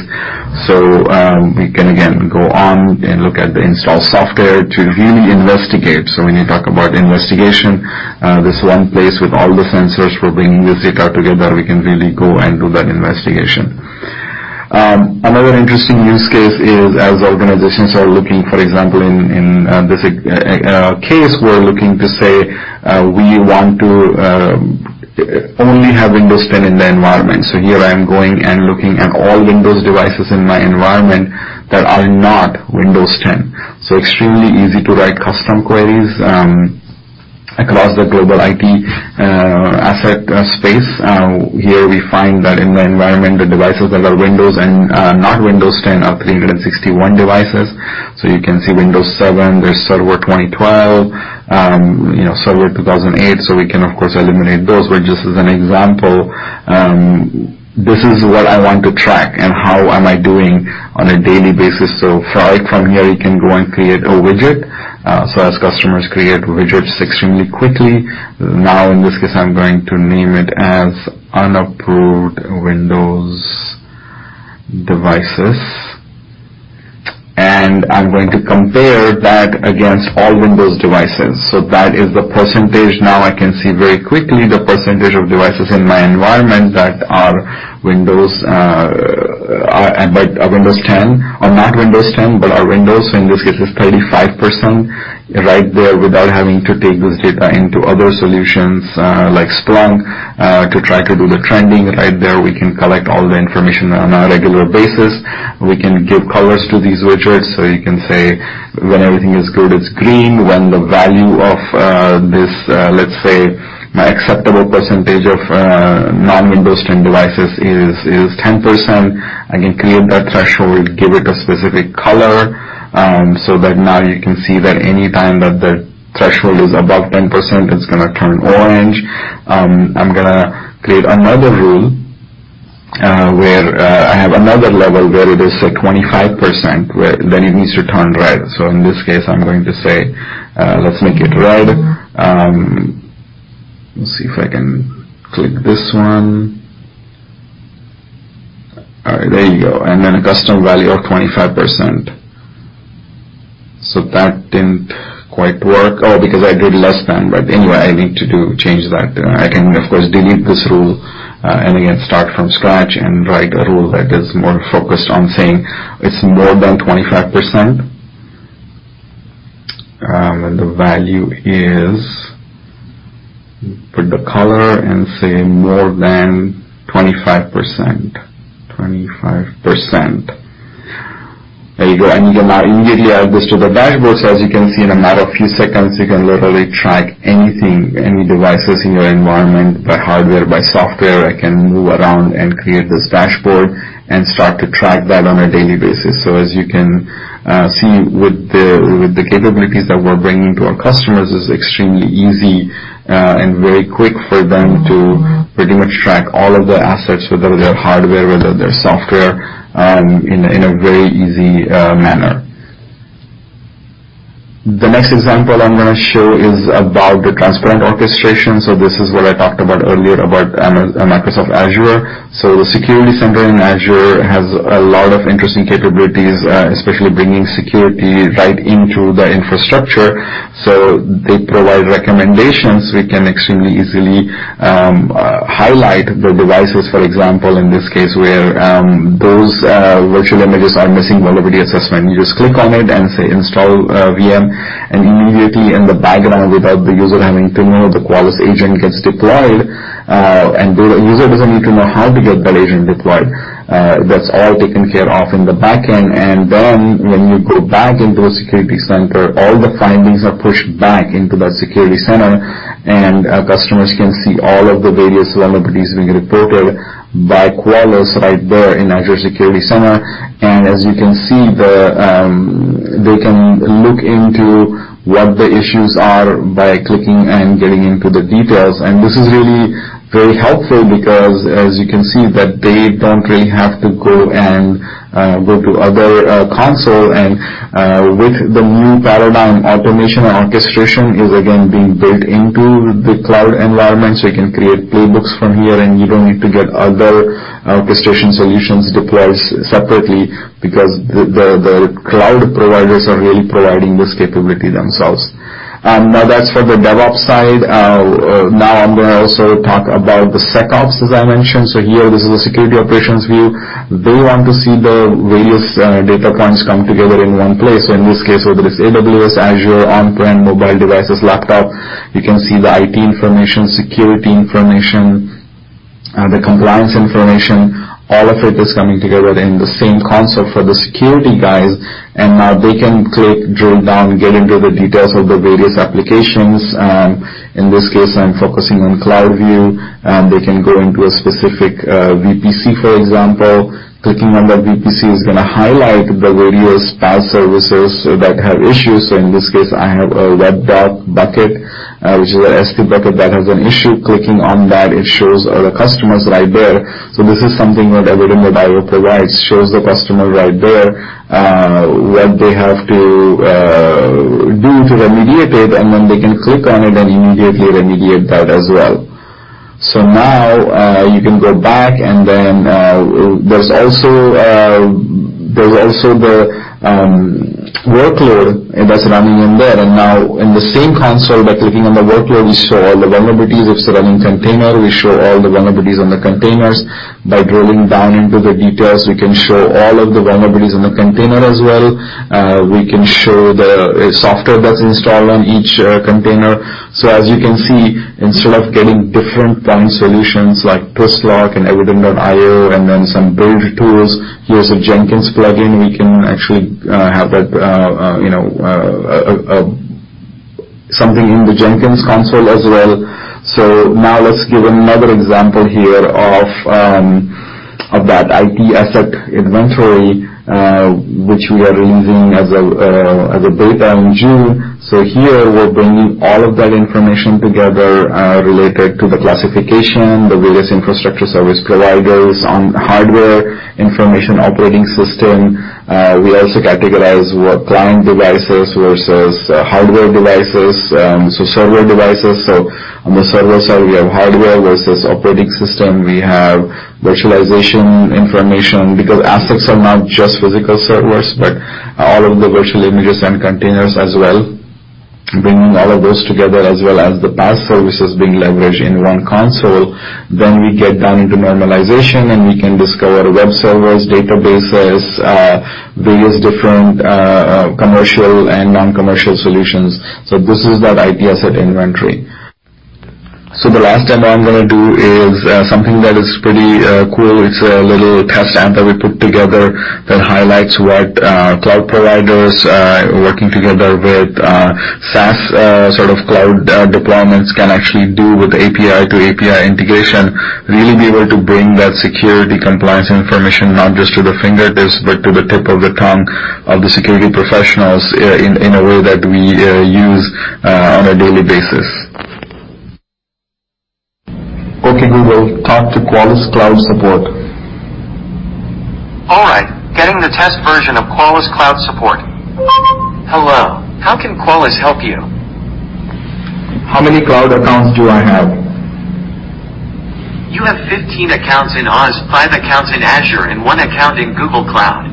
We can again go on and look at the install software to really investigate. When you talk about investigation, this one place with all the sensors for bringing this data together, we can really go and do that investigation. Another interesting use case is as organizations are looking, for example, in this case, we're looking to say we want to only have Windows 10 in the environment. Here I am going and looking at all Windows devices in my environment that are not Windows 10. Extremely easy to write custom queries across the global IT Asset space. Here we find that in the environment, the devices that are Windows and not Windows 10 are 361 devices. You can see Windows 7, there's Server 2012, Server 2008. We can, of course, eliminate those. Just as an example, this is what I want to track and how am I doing on a daily basis. From here, you can go and create a widget. As customers create widgets extremely quickly. In this case, I'm going to name it as unapproved Windows devices. I'm going to compare that against all Windows devices. That is the percentage. I can see very quickly the percentage of devices in my environment that are Windows 10 or not Windows 10, but are Windows. In this case, it's 35% right there without having to take this data into other solutions like Splunk, to try to do the trending right there. We can collect all the information on a regular basis. We can give colors to these widgets. You can say, when everything is good, it's green. When the value of this, let's say my acceptable percentage of non-Windows 10 devices is 10%, I can create that threshold, give it a specific color, you can see that any time that the threshold is above 10%, it's going to turn orange. I'm going to create another rule, where I have another level, where it is, say, 25%, then it needs to turn red. In this case, I'm going to say, let's make it red. Let's see if I can click this one. All right, there you go. A custom value of 25%. That didn't quite work. Because I did less than, anyway, I need to change that. I can, of course, delete this rule, again, start from scratch and write a rule that is more focused on saying it's more than 25%. When the value is Put the color and say more than 25%. 25%. There you go. You now immediately have this to the dashboard. As you can see, in a matter of few seconds, you can literally track anything, any devices in your environment by hardware, by software. I can move around and create this dashboard and start to track that on a daily basis. As you can see, with the capabilities that we're bringing to our customers, it's extremely easy and very quick for them to pretty much track all of their assets, whether they're hardware, whether they're software, in a very easy manner. The next example I'm going to show is about the transparent orchestration. This is what I talked about earlier about Microsoft Azure. The security center in Azure has a lot of interesting capabilities, especially bringing security right into the infrastructure. They provide recommendations. We can extremely easily highlight the devices. For example, in this case, where those virtual images are missing vulnerability assessment. You just click on it and say, "Install VM," and immediately in the background, without the user having to know, the Qualys agent gets deployed. The user doesn't need to know how to get that agent deployed. That's all taken care of in the back end. When you go back into the security center, all the findings are pushed back into that security center, and customers can see all of the various vulnerabilities being reported by Qualys right there in Azure Security Center. As you can see, they can look into what the issues are by clicking and getting into the details. This is really very helpful because as you can see that they don't really have to go to other console. With the new paradigm, automation and orchestration is again being built into the cloud environment. You can create playbooks from here, and you don't need to get other orchestration solutions deployed separately because the cloud providers are really providing this capability themselves. That's for the DevOps side. I'm going to also talk about the SecOps, as I mentioned. Here, this is a security operations view. They want to see the various data points come together in one place. In this case, whether it's AWS, Azure, on-prem, mobile devices, laptop, you can see the IT information, security information, the compliance information, all of it is coming together in the same console for the security guys. Now they can click, drill down, get into the details of the various applications. In this case, I'm focusing on CloudView. They can go into a specific VPC, for example. Clicking on that VPC is going to highlight the various cloud services that have issues. In this case, I have a web doc bucket, which is an S3 bucket that has an issue. Clicking on that, it shows all the customers right there. This is something that Evident.io provides, shows the customer right there, what they have to do to remediate it, they can click on it and immediately remediate that as well. You can go back, there's also the workload that's running in there. In the same console, by clicking on the workload, we show all the vulnerabilities. If it's a running container, we show all the vulnerabilities on the containers. By drilling down into the details, we can show all of the vulnerabilities in the container as well. We can show the software that's installed on each container. As you can see, instead of getting different point solutions like Twistlock and Evident.io and then some bridge tools. Here's a Jenkins plugin. We can actually have something in the Jenkins console as well. Now let's give another example here of that IT Asset Inventory, which we are releasing as a beta in June. Here we're bringing all of that information together, related to the classification, the various infrastructure service providers on hardware, information operating system. We also categorize what client devices versus hardware devices, server devices. On the server side, we have hardware versus operating system. We have virtualization information because assets are not just physical servers, but all of the virtual images and containers as well. Bringing all of those together, as well as the PaaS services being leveraged in one console. We get down into normalization and we can discover web servers, databases, various different commercial and non-commercial solutions. This is that IT Asset Inventory. The last demo I'm going to do is something that is pretty cool. It's a little test app that we put together that highlights what cloud providers working together with SaaS sort of cloud deployments can actually do with API-to-API integration, really be able to bring that security compliance information, not just to the fingertips, but to the tip of the tongue of the security professionals in a way that we use on a daily basis. Okay, Google, talk to Qualys Cloud Support. All right, getting the test version of Qualys Cloud Support. Hello, how can Qualys help you? How many cloud accounts do I have? You have 15 accounts in AWS, five accounts in Azure, and one account in Google Cloud.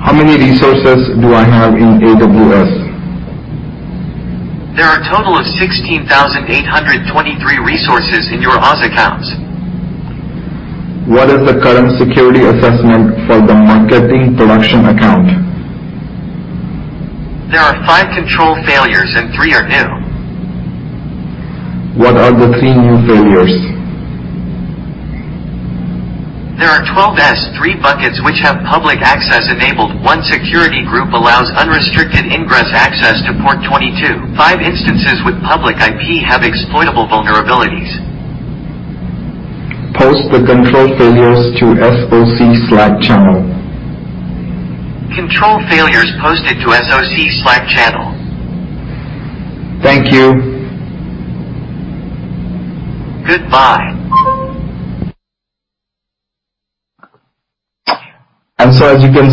How many resources do I have in AWS? There are a total of 16,823 resources in your AWS accounts. What is the current security assessment for the marketing production account? There are five control failures and three are new. What are the three new failures? There are 12 S3 buckets which have public access enabled. One security group allows unrestricted ingress access to port 22. Five instances with public IP have exploitable vulnerabilities. Post the control failures to SOC Slack channel. Control failures posted to SOC Slack channel. Thank you. Goodbye. As you can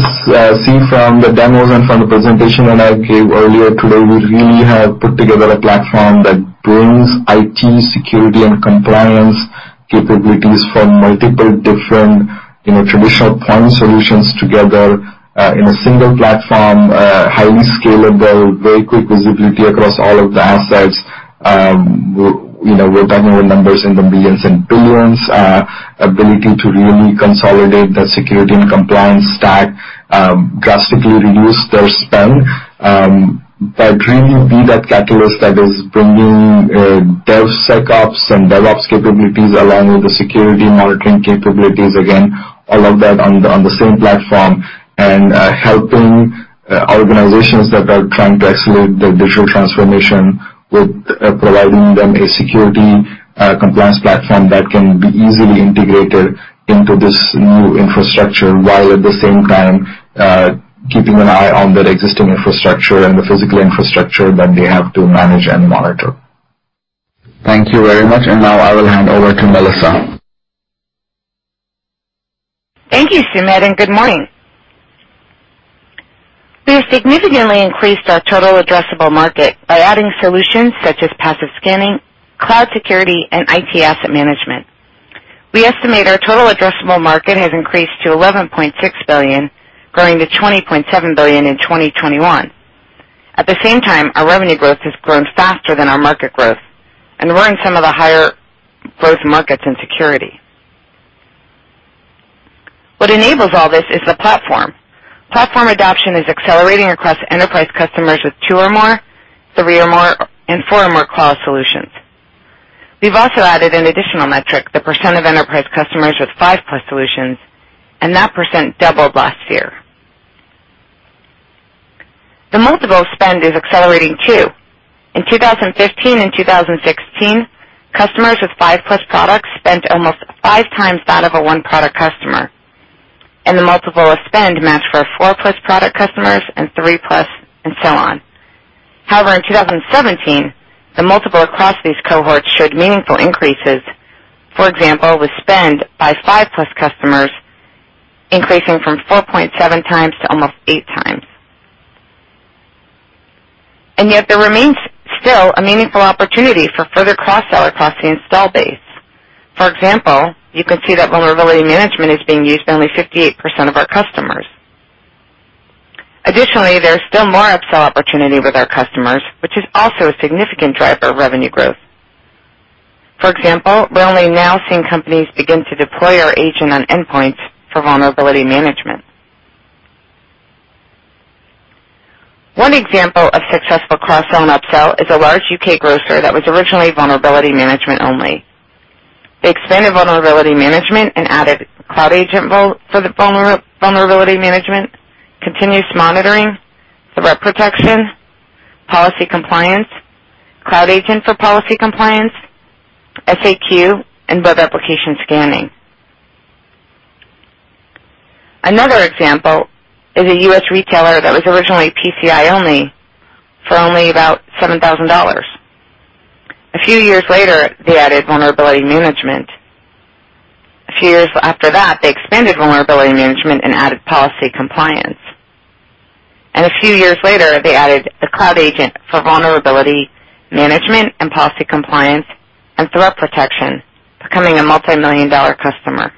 see from the demos and from the presentation that I gave earlier today, we really have put together a platform that brings IT security and compliance capabilities from multiple different traditional point solutions together in a single platform, highly scalable, very quick visibility across all of the assets. We're talking about numbers in the millions and billions. Ability to really consolidate that security and compliance stack, drastically reduce their spend, but really be that catalyst that is bringing DevSecOps and DevOps capabilities along with the security monitoring capabilities. Again, all of that on the same platform. Helping organizations that are trying to accelerate their digital transformation with providing them a security compliance platform that can be easily integrated into this new infrastructure, while at the same time, keeping an eye on their existing infrastructure and the physical infrastructure that they have to manage and monitor. Thank you very much. Now I will hand over to Melissa. Thank you, Sumedh, and good morning. We have significantly increased our total addressable market by adding solutions such as passive scanning, cloud security, and IT Asset Management. We estimate our total addressable market has increased to $11.6 billion, growing to $20.7 billion in 2021. Our revenue growth has grown faster than our market growth, and we're in some of the higher growth markets in security. What enables all this is the platform. Platform adoption is accelerating across enterprise customers with two or more, three or more, and four or more Qualys solutions. We've also added an additional metric, the % of enterprise customers with five-plus solutions, and that % doubled last year. The multiple spend is accelerating, too. In 2015 and 2016, customers with five-plus products spent almost 5 times that of a one-product customer. The multiple of spend matched for four-plus product customers and three-plus, and so on. However, in 2017, the multiple across these cohorts showed meaningful increases. For example, with spend by five-plus customers increasing from 4.7 times to almost 8 times. Yet there remains still a meaningful opportunity for further cross-sell across the install base. For example, you can see that vulnerability management is being used by only 58% of our customers. Additionally, there's still more upsell opportunity with our customers, which is also a significant driver of revenue growth. For example, we're only now seeing companies begin to deploy our agent on endpoints for vulnerability management. One example of successful cross-sell and upsell is a large U.K. grocer that was originally vulnerability management only. They expanded vulnerability management and added Cloud Agent for the vulnerability management, continuous monitoring, Threat Protection, policy compliance, Cloud Agent for policy compliance, SAQ, and web application scanning. Another example is a U.S. retailer that was originally PCI only for only about $7,000. A few years later, they added vulnerability management. A few years after that, they expanded vulnerability management and added policy compliance. A few years later, they added the Cloud Agent for vulnerability management and policy compliance and Threat Protection, becoming a multimillion-dollar customer.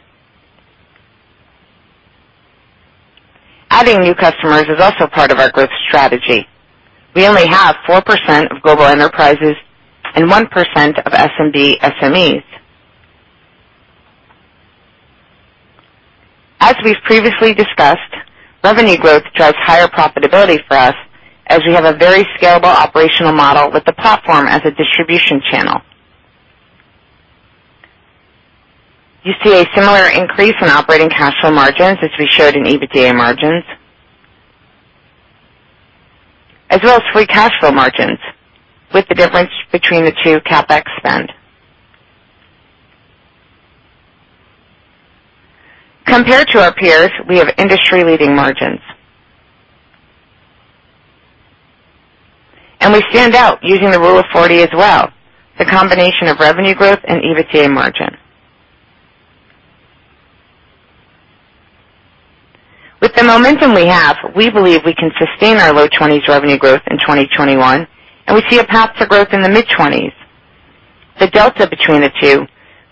Adding new customers is also part of our growth strategy. We only have 4% of global enterprises and 1% of SMB/SMEs. As we've previously discussed, revenue growth drives higher profitability for us as we have a very scalable operational model with the platform as a distribution channel. You see a similar increase in operating cash flow margins as we showed in EBITDA margins, as well as free cash flow margins, with the difference between the two, CapEx spend. Compared to our peers, we have industry-leading margins. We stand out using the Rule of 40 as well, the combination of revenue growth and EBITDA margin. With the momentum we have, we believe we can sustain our low twenties revenue growth in 2021, and we see a path to growth in the mid-twenties. The delta between the two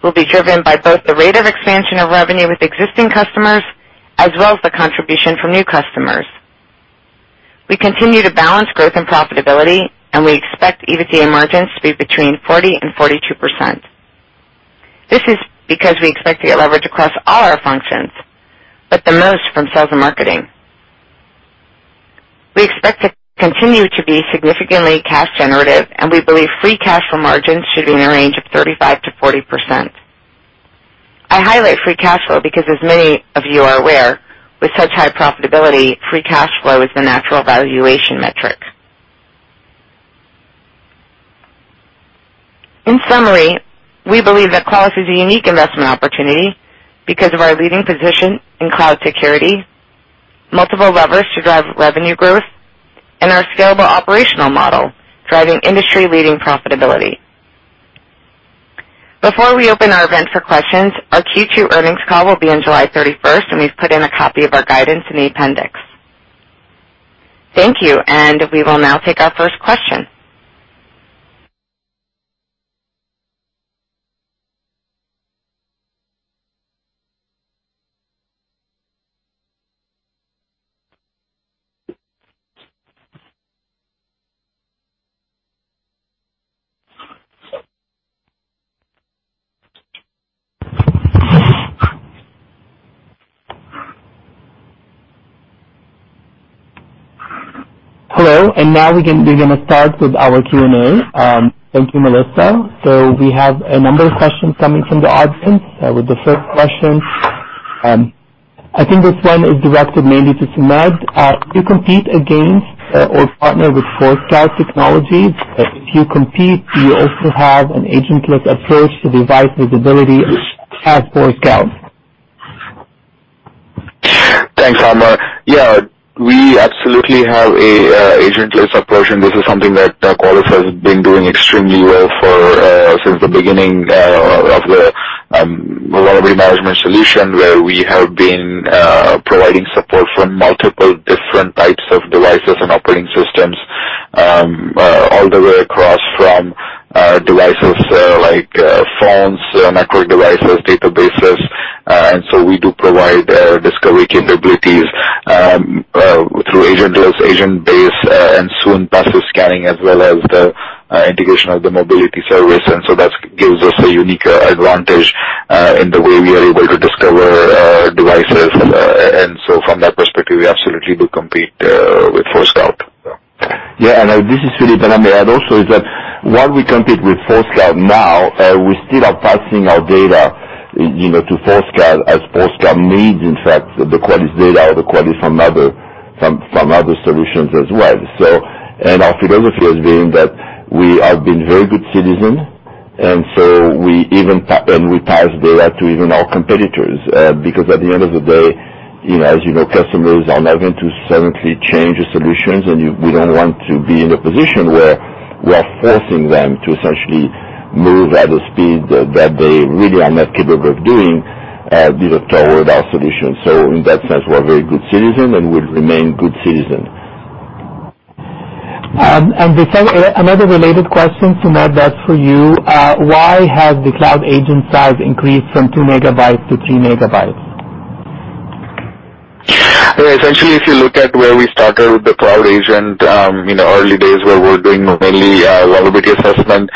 will be driven by both the rate of expansion of revenue with existing customers as well as the contribution from new customers. We continue to balance growth and profitability, and we expect EBITDA margins to be between 40% and 42%. This is because we expect to get leverage across all our functions, but the most from sales and marketing. We expect to continue to be significantly cash generative, and we believe free cash flow margins should be in the range of 35%-40%. I highlight free cash flow because as many of you are aware, with such high profitability, free cash flow is the natural valuation metric. In summary, we believe that Qualys is a unique investment opportunity because of our leading position in cloud security, multiple levers to drive revenue growth, and our scalable operational model driving industry-leading profitability. Before we open our event for questions, our Q2 earnings call will be on July 31st, and we've put in a copy of our guidance in the appendix. Thank you, and we will now take our first question. Hello. Now we're going to start with our Q&A. Thank you, Melissa. We have a number of questions coming from the audience, with the first question. I think this one is directed mainly to Sumedh. Do you compete against or partner with Forescout Technologies? If you compete, do you also have an agentless approach to device visibility as Forescout? Thanks, Amar. Yeah, we absolutely have an agentless approach. This is something that Qualys has been doing extremely well since the beginning of the Vulnerability Management Solution, where we have been providing support for multiple different types of devices and operating systems, all the way across from devices like phones, network devices, databases. We do provide discovery capabilities through agentless, agent-based, and soon passive scanning, as well as the integration of the mobility service. That gives us a unique advantage in the way we are able to discover devices. From that perspective, we absolutely do compete with Forescout. Yeah, this is Philippe. Let me add also is that while we compete with Forescout now, we still are passing our data to Forescout as Forescout needs, in fact, the Qualys data or the Qualys from other solutions as well. Our philosophy has been that we have been very good citizen, and we pass data to even our competitors. At the end of the day, as you know, customers are not going to suddenly change the solutions, and we don't want to be in a position where we're forcing them to essentially move at a speed that they really are not capable of doing toward our solution. In that sense, we're a very good citizen and will remain good citizen. Another related question, Sumedh, that's for you. Why has the Cloud Agent size increased from two megabytes to three megabytes? Essentially, if you look at where we started with the Cloud Agent, in the early days where we were doing mainly vulnerability assessment,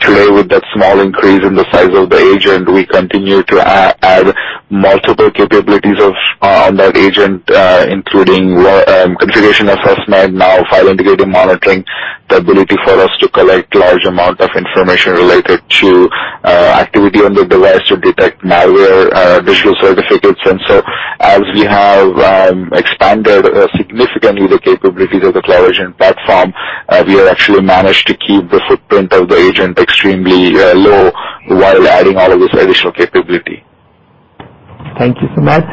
today with that small increase in the size of the agent, we continue to add multiple capabilities on that agent, including configuration assessment, now file integrity monitoring, the ability for us to collect large amount of information related to activity on the device to detect malware, digital certificates. As we have expanded significantly the capabilities of the Cloud Agent platform, we have actually managed to keep the footprint of the agent extremely low while adding all of this additional capability. Thank you, Sumedh.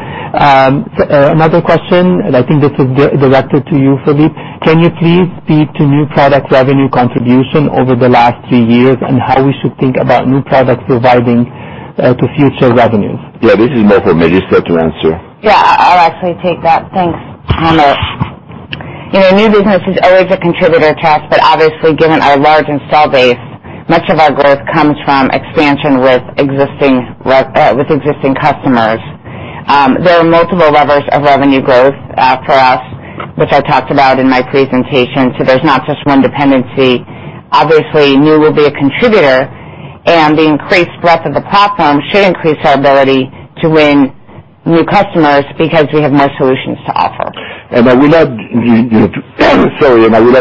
Another question, and I think this is directed to you, Philippe. Can you please speak to new product revenue contribution over the last three years and how we should think about new products providing to future revenues? This is more for Melissa to answer. Yeah, I'll actually take that. Thanks, Amar. New business is always a contributor to us, but obviously, given our large install base, much of our growth comes from expansion with existing customers. There are multiple levers of revenue growth for us, which I talked about in my presentation. There's not just one dependency. Obviously, new will be a contributor, and the increased breadth of the platform should increase our ability to win new customers because we have more solutions to offer. I would like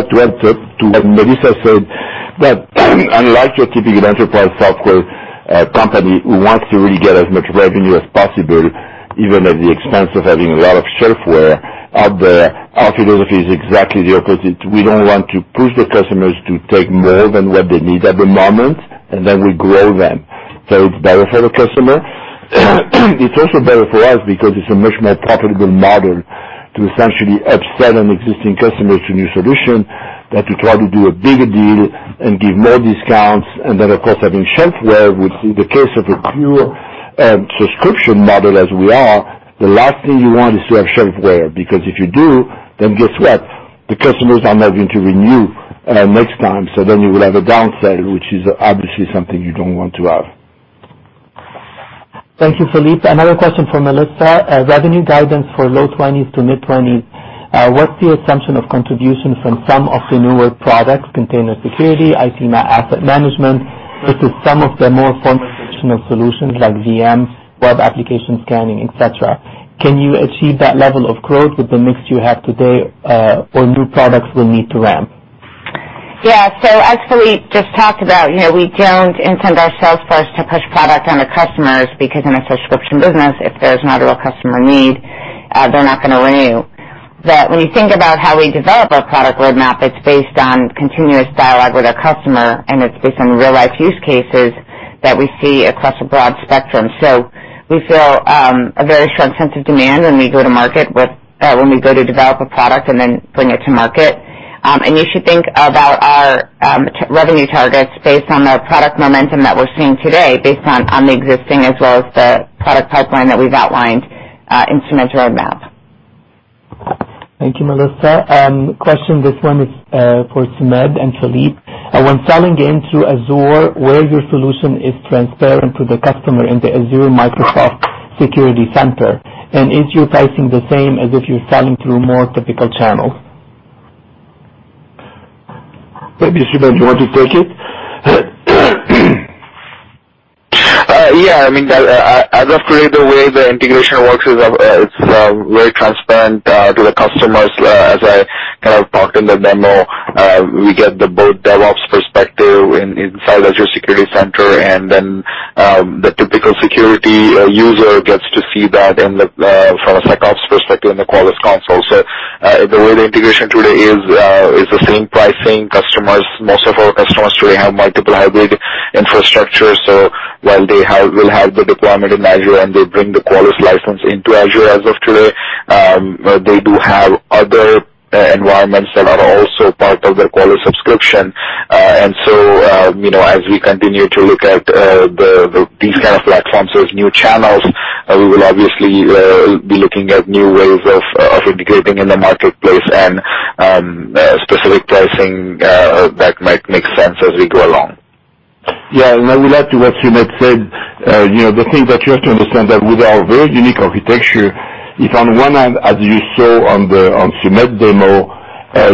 to add to what Melissa said, that unlike your typical enterprise software company who wants to really get as much revenue as possible, even at the expense of having a lot of shelf wear out there, our philosophy is exactly the opposite. We don't want to push the customers to take more than what they need at the moment, and then we grow them. It's better for the customer. It's also better for us because it's a much more profitable model to essentially upsell an existing customer to a new solution than to try to do a bigger deal and give more discounts. Of course, having shelf wear, which in the case of a pure subscription model as we are, the last thing you want is to have shelf wear. If you do, guess what? The customers are not going to renew next time. You will have a downside, which is obviously something you don't want to have. Thank you, Philippe. Another question for Melissa. Revenue guidance for low twenties to mid-twenties. What's the assumption of contribution from some of the newer products, Container Security, IT Asset Management, versus some of the more former traditional solutions like VMS, web application scanning, et cetera? Can you achieve that level of growth with the mix you have today, or new products will need to ramp? Yeah. As Philippe just talked about, we don't intend our sales force to push product onto customers because in a subscription business, if there's not a real customer need, they're not going to renew. When you think about how we develop our product roadmap, it's based on continuous dialogue with our customer, and it's based on real-life use cases that we see across a broad spectrum. We feel a very strong sense of demand when we go to develop a product and then bring it to market. You should think about our revenue targets based on the product momentum that we're seeing today, based on the existing as well as the product pipeline that we've outlined in tonight's roadmap. Thank you, Melissa. Question, this one is for Sumedh and Philippe. When selling into Azure, where your solution is transparent to the customer in the Azure Microsoft Security Center, and is your pricing the same as if you're selling through more typical channels? Maybe, Sumedh, you want to take it? Yeah. As of today, the way the integration works is it's very transparent to the customers. As I talked in the demo, we get both DevOps perspective inside Azure Security Center, and then the typical security user gets to see that from a SecOps perspective in the Qualys console. The way the integration today is the same pricing. Most of our customers today have multiple hybrid infrastructure. While they will have the deployment in Azure and they bring the Qualys license into Azure as of today, they do have other environments that are also part of their Qualys subscription. As we continue to look at these kind of platforms as new channels, we will obviously be looking at new ways of integrating in the marketplace and specific pricing that might make sense as we go along. Yeah. I would add to what Sumedh said, the thing that you have to understand that with our very unique architecture, if on one hand, as you saw on Sumedh demo,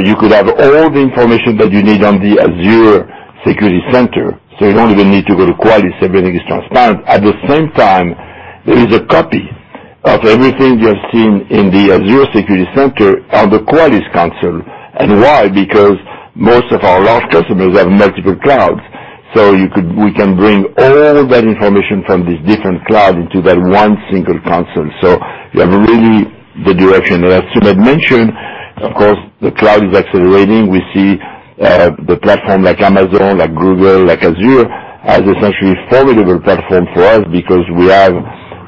you could have all the information that you need on the Azure Security Center. You don't even need to go to Qualys, everything is transparent. At the same time, there is a copy of everything you have seen in the Azure Security Center on the Qualys console. Why? Because most of our large customers have multiple clouds. We can bring all that information from this different cloud into that one single console. You have really the direction. As Sumedh mentioned, of course, the cloud is accelerating. We see the platform like Amazon, like Google, like Azure, as essentially formidable platform for us because we have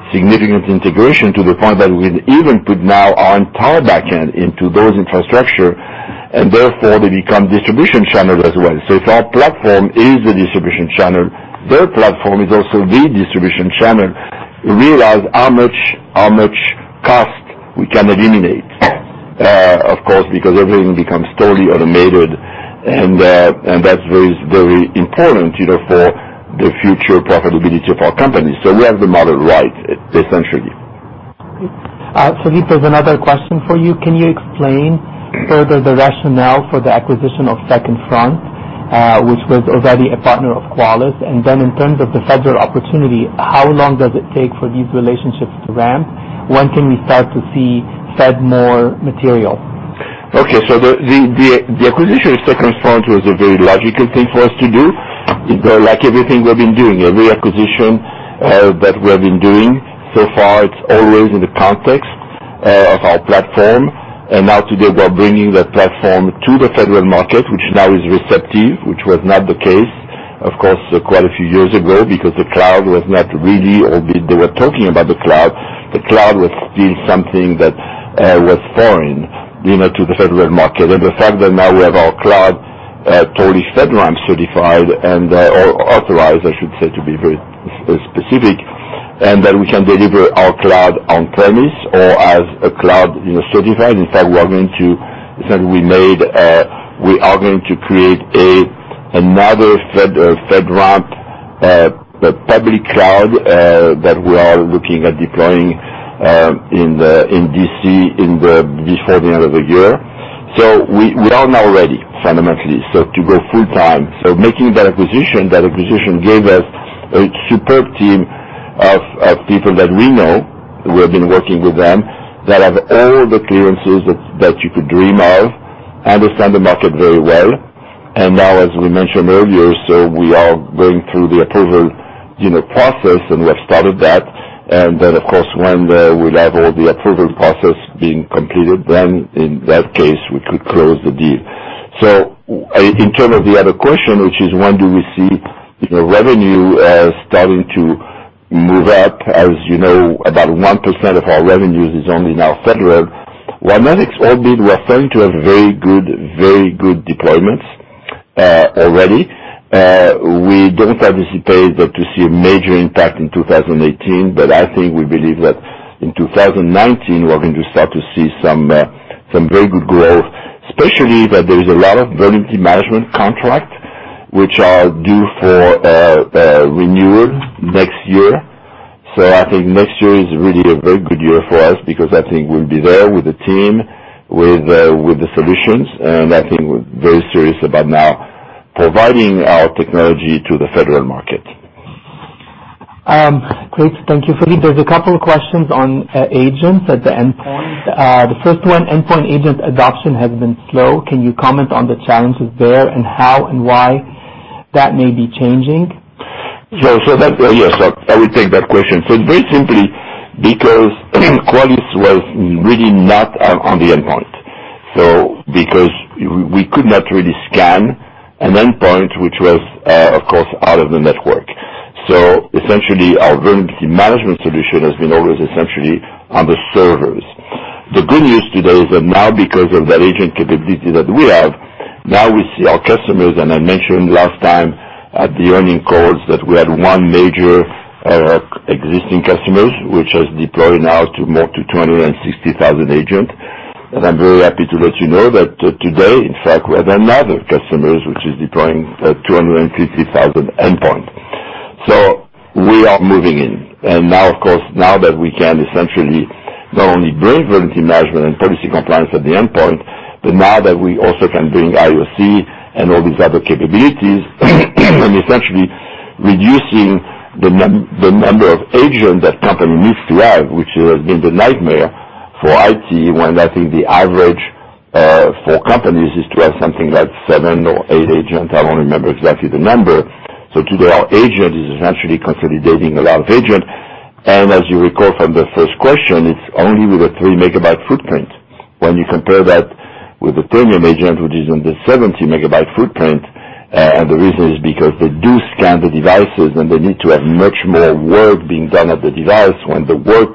significant integration to the point that we've even put now our entire backend into those infrastructure. Therefore they become distribution channels as well. If our platform is a distribution channel, their platform is also the distribution channel. Realize how much cost we can eliminate, of course, because everything becomes totally automated, and that's very important for the future profitability of our company. We have the model right, essentially. Philippe, there's another question for you. Can you explain further the rationale for the acquisition of Second Front, which was already a partner of Qualys? Then in terms of the Fed opportunity, how long does it take for these relationships to ramp? When can we start to see Fed more material? Okay. The acquisition of Second Front was a very logical thing for us to do. Like everything we've been doing, every acquisition that we have been doing so far, it's always in the context of our platform. Now today, we're bringing that platform to the federal market, which now is receptive, which was not the case, of course, quite a few years ago because the cloud was not really They were talking about the cloud. The cloud was still something that was foreign to the federal market. The fact that now we have our cloud totally FedRAMP certified and authorized, I should say, to be very specific That we can deliver our cloud on premise or as a cloud certified. In fact, we are going to create another FedRAMP, public cloud, that we are looking at deploying, in D.C. before the end of the year. We are now ready fundamentally to go full time. Making that acquisition, that acquisition gave us a superb team of people that we know, we have been working with them, that have all the clearances that you could dream of, understand the market very well. Now as we mentioned earlier, we are going through the approval process, and we have started that. Of course when we'll have all the approval process being completed, in that case, we could close the deal. In term of the other question, which is when do we see revenue starting to move up? As you know, about 1% of our revenues is only now federal. While that is all good, we are starting to have very good deployments already. We don't anticipate to see a major impact in 2018, but I think we believe that in 2019, we're going to start to see some very good growth, especially that there is a lot of vulnerability management contract which are due for renewal next year. I think next year is really a very good year for us because I think we'll be there with the team, with the solutions, and I think we're very serious about now providing our technology to the federal market. Great. Thank you, Philippe. There's a couple of questions on agents at the endpoint. The first one, endpoint agent adoption has been slow. Can you comment on the challenges there and how and why that may be changing? Yes. I will take that question. Very simply because Qualys was really not on the endpoint. Because we could not really scan an endpoint which was, of course, out of the network. Essentially our vulnerability management solution has been always essentially on the servers. The good news today is that now because of that agent capability that we have, now we see our customers, and I mentioned last time at the earning calls that we had one major existing customers, which has deployed now to more to 260,000 agent. And I'm very happy to let you know that today, in fact, we have another customers which is deploying 250,000 endpoint. We are moving in. Now, of course, now that we can essentially not only bring vulnerability management and policy compliance at the endpoint, but now that we also can bring IOC and all these other capabilities, essentially reducing the number of agent that company needs to have, which has been the nightmare for IT, when I think the average for companies is to have something like seven or eight agent. I don't remember exactly the number. Today, our agent is essentially consolidating a lot of agent. As you recall from the first question, it's only with a three-megabyte footprint. When you compare that with a premium agent, which is on the 70-megabyte footprint, the reason is because they do scan the devices, they need to have much more work being done at the device when the work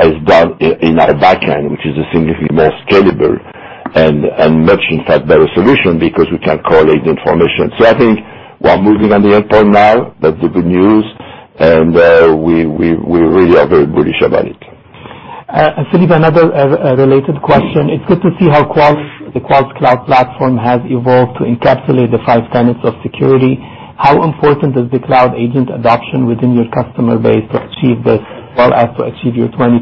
is done in our back end, which is a significantly more scalable and much, in fact, better solution because we can correlate the information. I think we're moving on the endpoint now. That's the good news. We really are very bullish about it. Philippe, another related question. It's good to see how the Qualys Cloud Platform has evolved to encapsulate the five tenets of security. How important is the Cloud Agent adoption within your customer base to achieve this, as well as to achieve your 20%+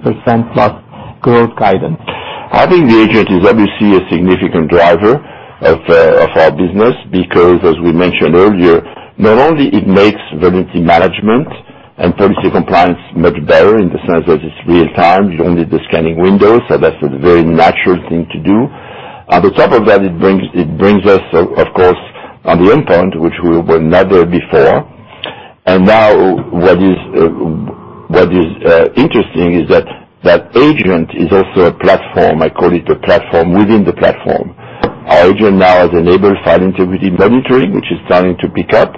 growth guidance? I think the agent is obviously a significant driver of our business because, as we mentioned earlier, not only it makes vulnerability management and policy compliance much better in the sense that it's real time, you only do scanning windows, that's a very natural thing to do. On the top of that, it brings us, of course, on the endpoint, which we were never before. Now what is interesting is that that agent is also a platform. I call it a platform within the platform. Our agent now has enabled file integrity monitoring, which is starting to pick up.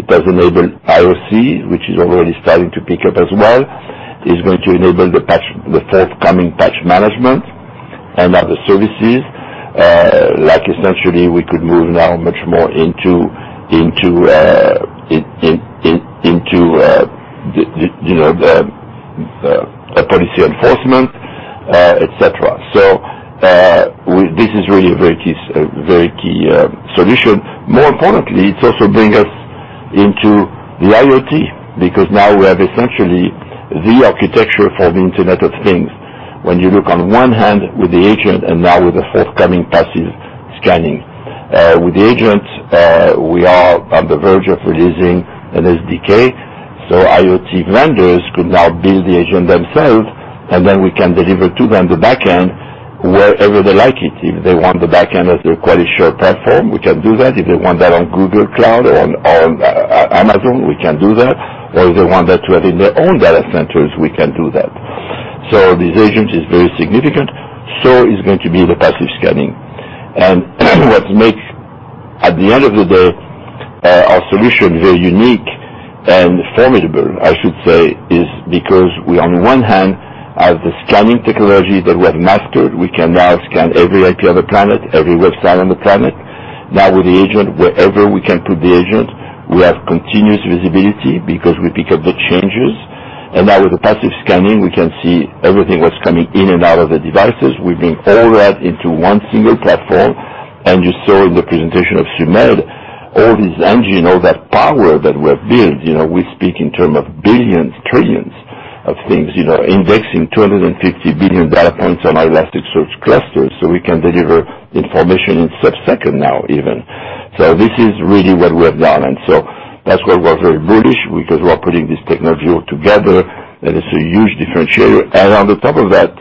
It has enabled IOC, which is already starting to pick up as well. It's going to enable the forthcoming patch management and other services. Like, essentially, we could move now much more into the policy enforcement, et cetera. This is really a very key solution. More importantly, it also brings us into the IoT, because now we have essentially the architecture for the Internet of Things. When you look on one hand with the agent and now with the forthcoming passive scanning. With the agent, we are on the verge of releasing an SDK, so IoT vendors could now build the agent themselves, and then we can deliver to them the back end wherever they like it. If they want the back end as a Qualys Cloud Platform, we can do that. If they want that on Google Cloud or on Amazon, we can do that. If they want that to have in their own data centers, we can do that. This agent is very significant. Is going to be the passive scanning. What makes, at the end of the day, our solution very unique and formidable, I should say, is because we, on one hand, have the scanning technology that we have mastered. We can now scan every IP on the planet, every website on the planet. With the agent, wherever we can put the agent, we have continuous visibility because we pick up the changes. With the passive scanning, we can see everything that's coming in and out of the devices. We bring all that into one single platform. You saw in the presentation of Sumedh, all this engine, all that power that we have built. We speak in terms of billions, trillions of things, indexing 250 billion data points on Elasticsearch clusters so we can deliver information in sub-second now even. This is really what we have done. That's why we're very bullish, because we're putting this Technoview together, and it's a huge differentiator. On top of that,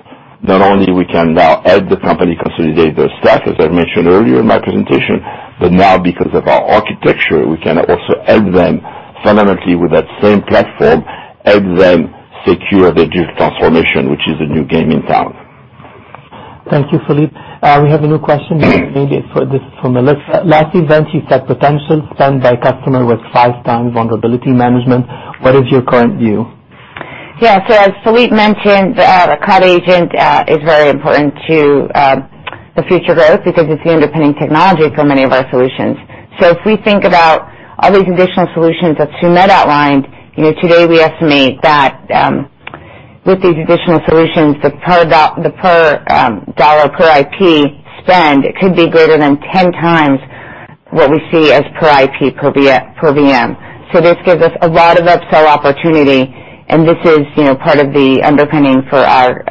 not only we can now help the company consolidate their staff, as I mentioned earlier in my presentation, but now because of our architecture, we can also help them fundamentally with that same platform, help them secure their digital transformation, which is a new game in town. Thank you, Philippe. We have a new question maybe for Melissa. Last event, you said potential spend by customer was five times vulnerability management. What is your current view? Yeah. As Philippe mentioned, the Cloud Agent is very important to the future growth because it's the underpinning technology for many of our solutions. If we think about all these additional solutions that Sumedh outlined, today we estimate that with these additional solutions, the per dollar per IP spend could be greater than 10 times what we see as per IP per VM. This gives us a lot of upsell opportunity, and this is part of the underpinning for our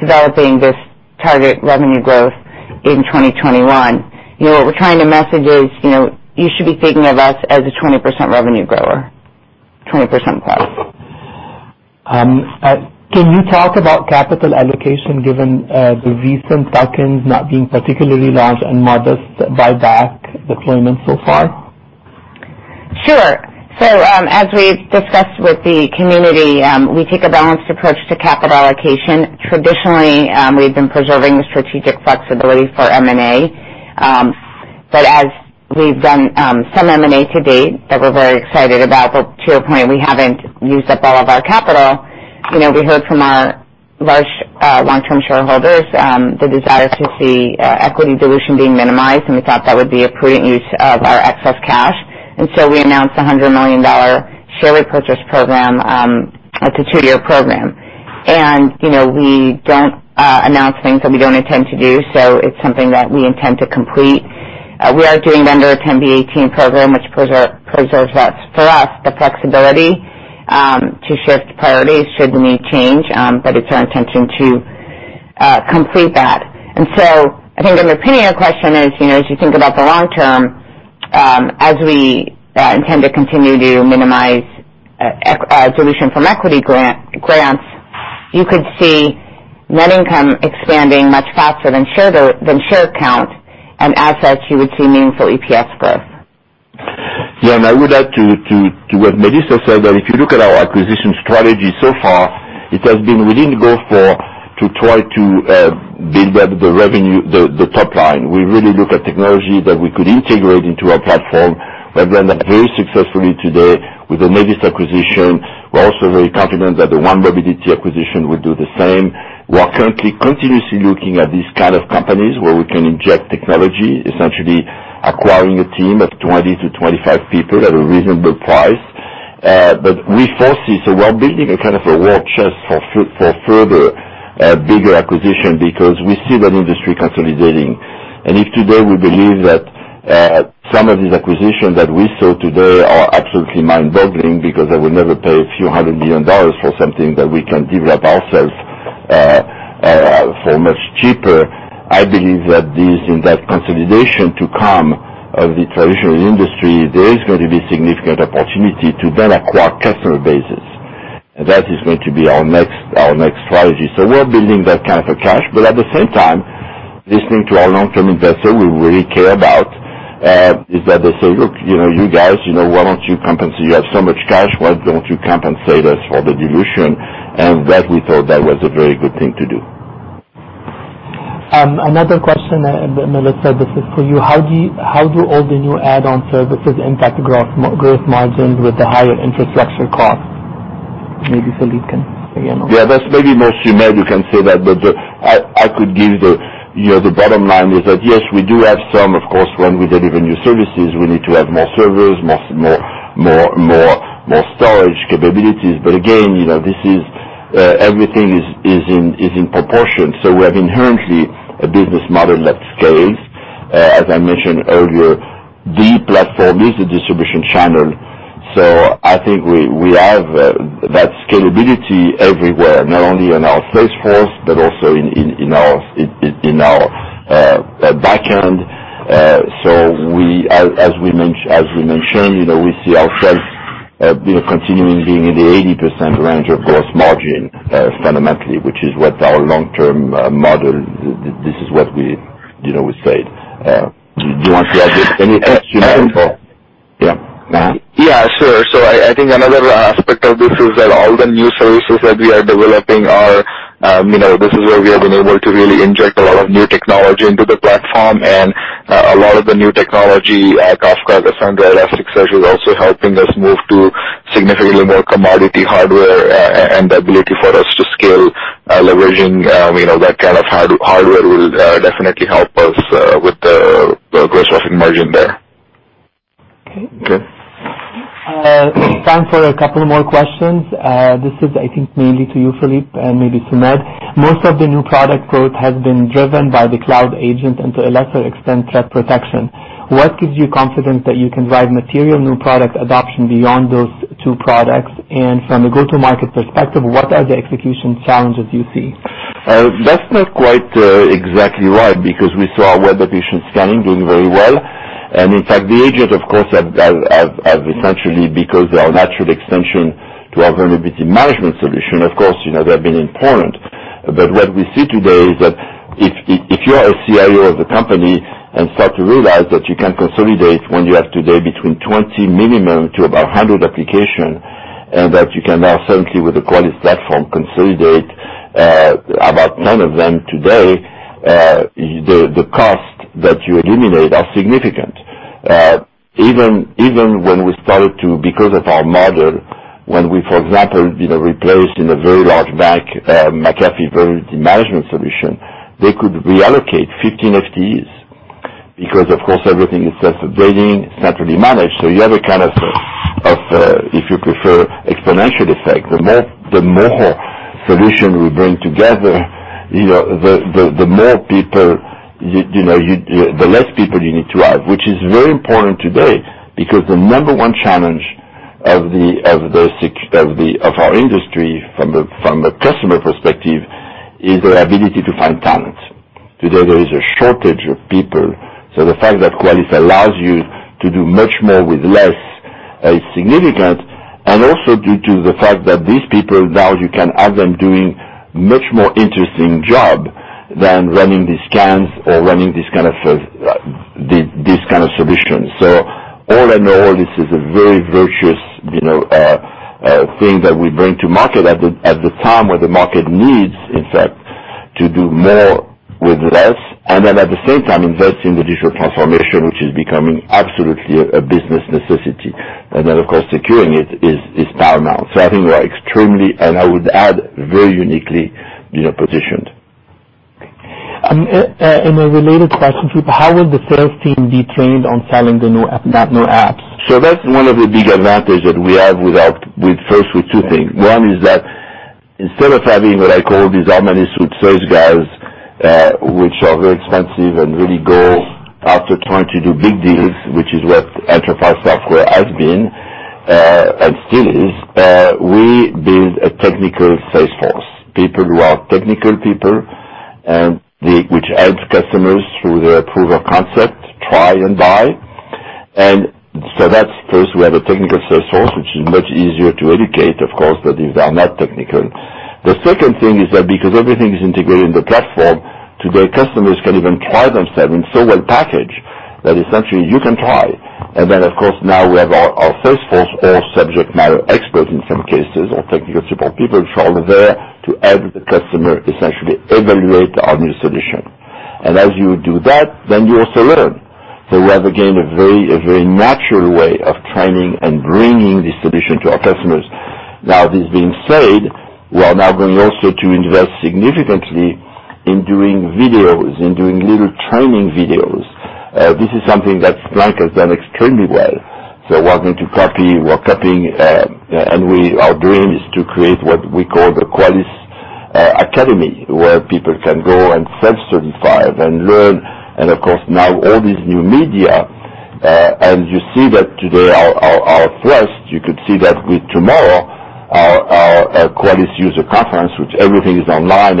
developing this target revenue growth in 2021. What we're trying to message is you should be thinking of us as a 20% revenue grower, 20% plus. Can you talk about capital allocation given the recent stock gains not being particularly large and modest buyback deployment so far? Sure. As we've discussed with the community, we take a balanced approach to capital allocation. Traditionally, we've been preserving the strategic flexibility for M&A. As we've done some M&A to date that we're very excited about, but to your point, we haven't used up all of our capital. We heard from our large long-term shareholders the desire to see equity dilution being minimized, and we thought that would be a prudent use of our excess cash. We announced a $100 million share repurchase program. It's a two-year program. We don't announce things that we don't intend to do, so it's something that we intend to complete. We are doing it under a 10b-18 program, which preserves, for us, the flexibility to shift priorities should the need change, but it's our intention to complete that. I think the underpinning of the question is, as you think about the long term, as we intend to continue to minimize dilution from equity grants, you could see net income expanding much faster than share count, and as such, you would see meaningful EPS growth. Yeah, I would add to what Melissa said, that if you look at our acquisition strategy so far, it has been we didn't go for to try to build up the revenue, the top line. We really look at technology that we could integrate into our platform. We have done that very successfully today with the Nevis acquisition. We're also very confident that the 1Mobility acquisition will do the same. We are currently continuously looking at these kind of companies where we can inject technology, essentially acquiring a team of 20 to 25 people at a reasonable price. We foresee, so we're building a kind of a war chest for further bigger acquisition because we see that industry consolidating. If today we believe that some of these acquisitions that we saw today are absolutely mind-boggling because I would never pay a few $100 million for something that we can develop ourselves for much cheaper. I believe that in that consolidation to come of the traditional industry, there is going to be significant opportunity to then acquire customer bases. That is going to be our next strategy. We're building that kind of a cash, but at the same time, listening to our long-term investor we really care about, is that they say, "Look, you guys, why don't you compensate? You have so much cash, why don't you compensate us for the dilution?" That we thought that was a very good thing to do. Another question, Melissa, this is for you. How do all the new add-on services impact gross margins with the higher infrastructure costs? Maybe Philippe can say, I know. Yeah, that's maybe more Sumedh who can say that, but I could give the bottom line is that, yes, we do have some. Of course, when we deliver new services, we need to have more servers, more storage capabilities. Again, everything is in proportion. We have inherently a business model that scales. As I mentioned earlier, the platform is the distribution channel. I think we have that scalability everywhere, not only in our sales force, but also in our back end. As we mentioned, we see ourselves continuing being in the 80% range of gross margin fundamentally, which is what our long-term model, this is what we say it. Do you want to add any additional info? Yeah. Yeah, sure. I think another aspect of this is that all the new services that we are developing are, this is where we have been able to really inject a lot of new technology into the platform. A lot of the new technology, Kafka, Cassandra, Elasticsearch, is also helping us move to significantly more commodity hardware and the ability for us to scale Leveraging that kind of hardware will definitely help us with the gross margin there. Okay. Okay. Time for a couple more questions. This is, I think, mainly to you, Philippe, and maybe Sumedh. Most of the new product growth has been driven by the Cloud Agent and to a lesser extent, Threat Protection. What gives you confidence that you can drive material new product adoption beyond those two products? From a go-to-market perspective, what are the execution challenges you see? That's not quite exactly right, because we saw web application scanning doing very well. In fact, the agent, of course, have essentially, because they are a natural extension to our Vulnerability Management Solution, of course, they have been important. What we see today is that if you are a CIO of the company and start to realize that you can consolidate when you have today between 20 minimum to about 100 applications, and that you can now certainly with the Qualys platform, consolidate about nine of them today, the cost that you eliminate are significant. Even when we started to, because of our model, when we, for example, replaced in a very large bank, McAfee Vulnerability Management Solution, they could reallocate 15 FTEs, because of course, everything is self-updating, it's naturally managed. You have a kind of, if you prefer, exponential effect. The more solution we bring together, the less people you need to have. Which is very important today, because the number one challenge of our industry from a customer perspective, is the ability to find talent. Today, there is a shortage of people. The fact that Qualys allows you to do much more with less is significant, and also due to the fact that these people now you can have them doing much more interesting job than running these scans or running these kind of solutions. All in all, this is a very virtuous thing that we bring to market at the time where the market needs, in fact, to do more with less, at the same time invest in the digital transformation, which is becoming absolutely a business necessity. Of course, securing it is paramount. I think we are extremely, and I would add, very uniquely positioned. Okay. A related question, Philippe. How will the sales team be trained on selling the new apps? That's one of the big advantage that we have with first with two things. One is that instead of having what I call these omni-suite sales guys, which are very expensive and really go after trying to do big deals, which is what enterprise software has been, and still is, we build a technical sales force. People who are technical people, and which helps customers through their proof of concept, try and buy. That's first, we have a technical sales force, which is much easier to educate, of course, than these are not technical. The second thing is that because everything is integrated in the platform, today customers can even try themselves. It's so well packaged that essentially you can try. We have our sales force, or subject matter experts in some cases, or technical support people, which are all there to help the customer essentially evaluate our new solution. As you do that, you also learn. We have, again, a very natural way of training and bringing this solution to our customers. This being said, we are now going also to invest significantly in doing videos, in doing little training videos. This is something that Splunk has done extremely well. We are going to copy, we are copying, and our dream is to create what we call the Qualys Academy, where people can go and self-certify and learn. All these new media, you see that today our thrust, you could see that with tomorrow, our Qualys user conference, which everything is online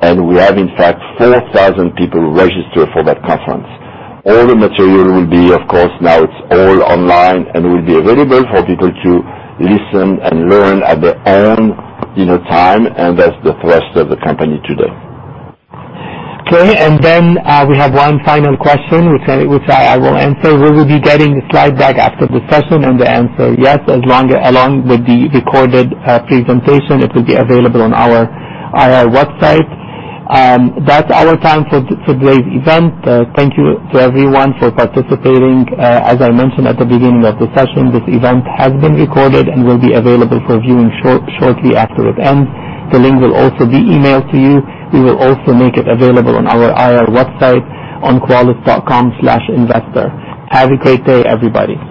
and we have, in fact, 4,000 people registered for that conference. All the material will be, of course, now it's all online and will be available for people to listen and learn at their own time, that's the thrust of the company today. We have one final question, which I will answer. Will we be getting the slide deck after the session? The answer, yes, along with the recorded presentation, it will be available on our IR website. That's our time for today's event. Thank you to everyone for participating. As I mentioned at the beginning of the session, this event has been recorded and will be available for viewing shortly after it ends. The link will also be emailed to you. We will also make it available on our IR website on investor.qualys.com. Have a great day, everybody.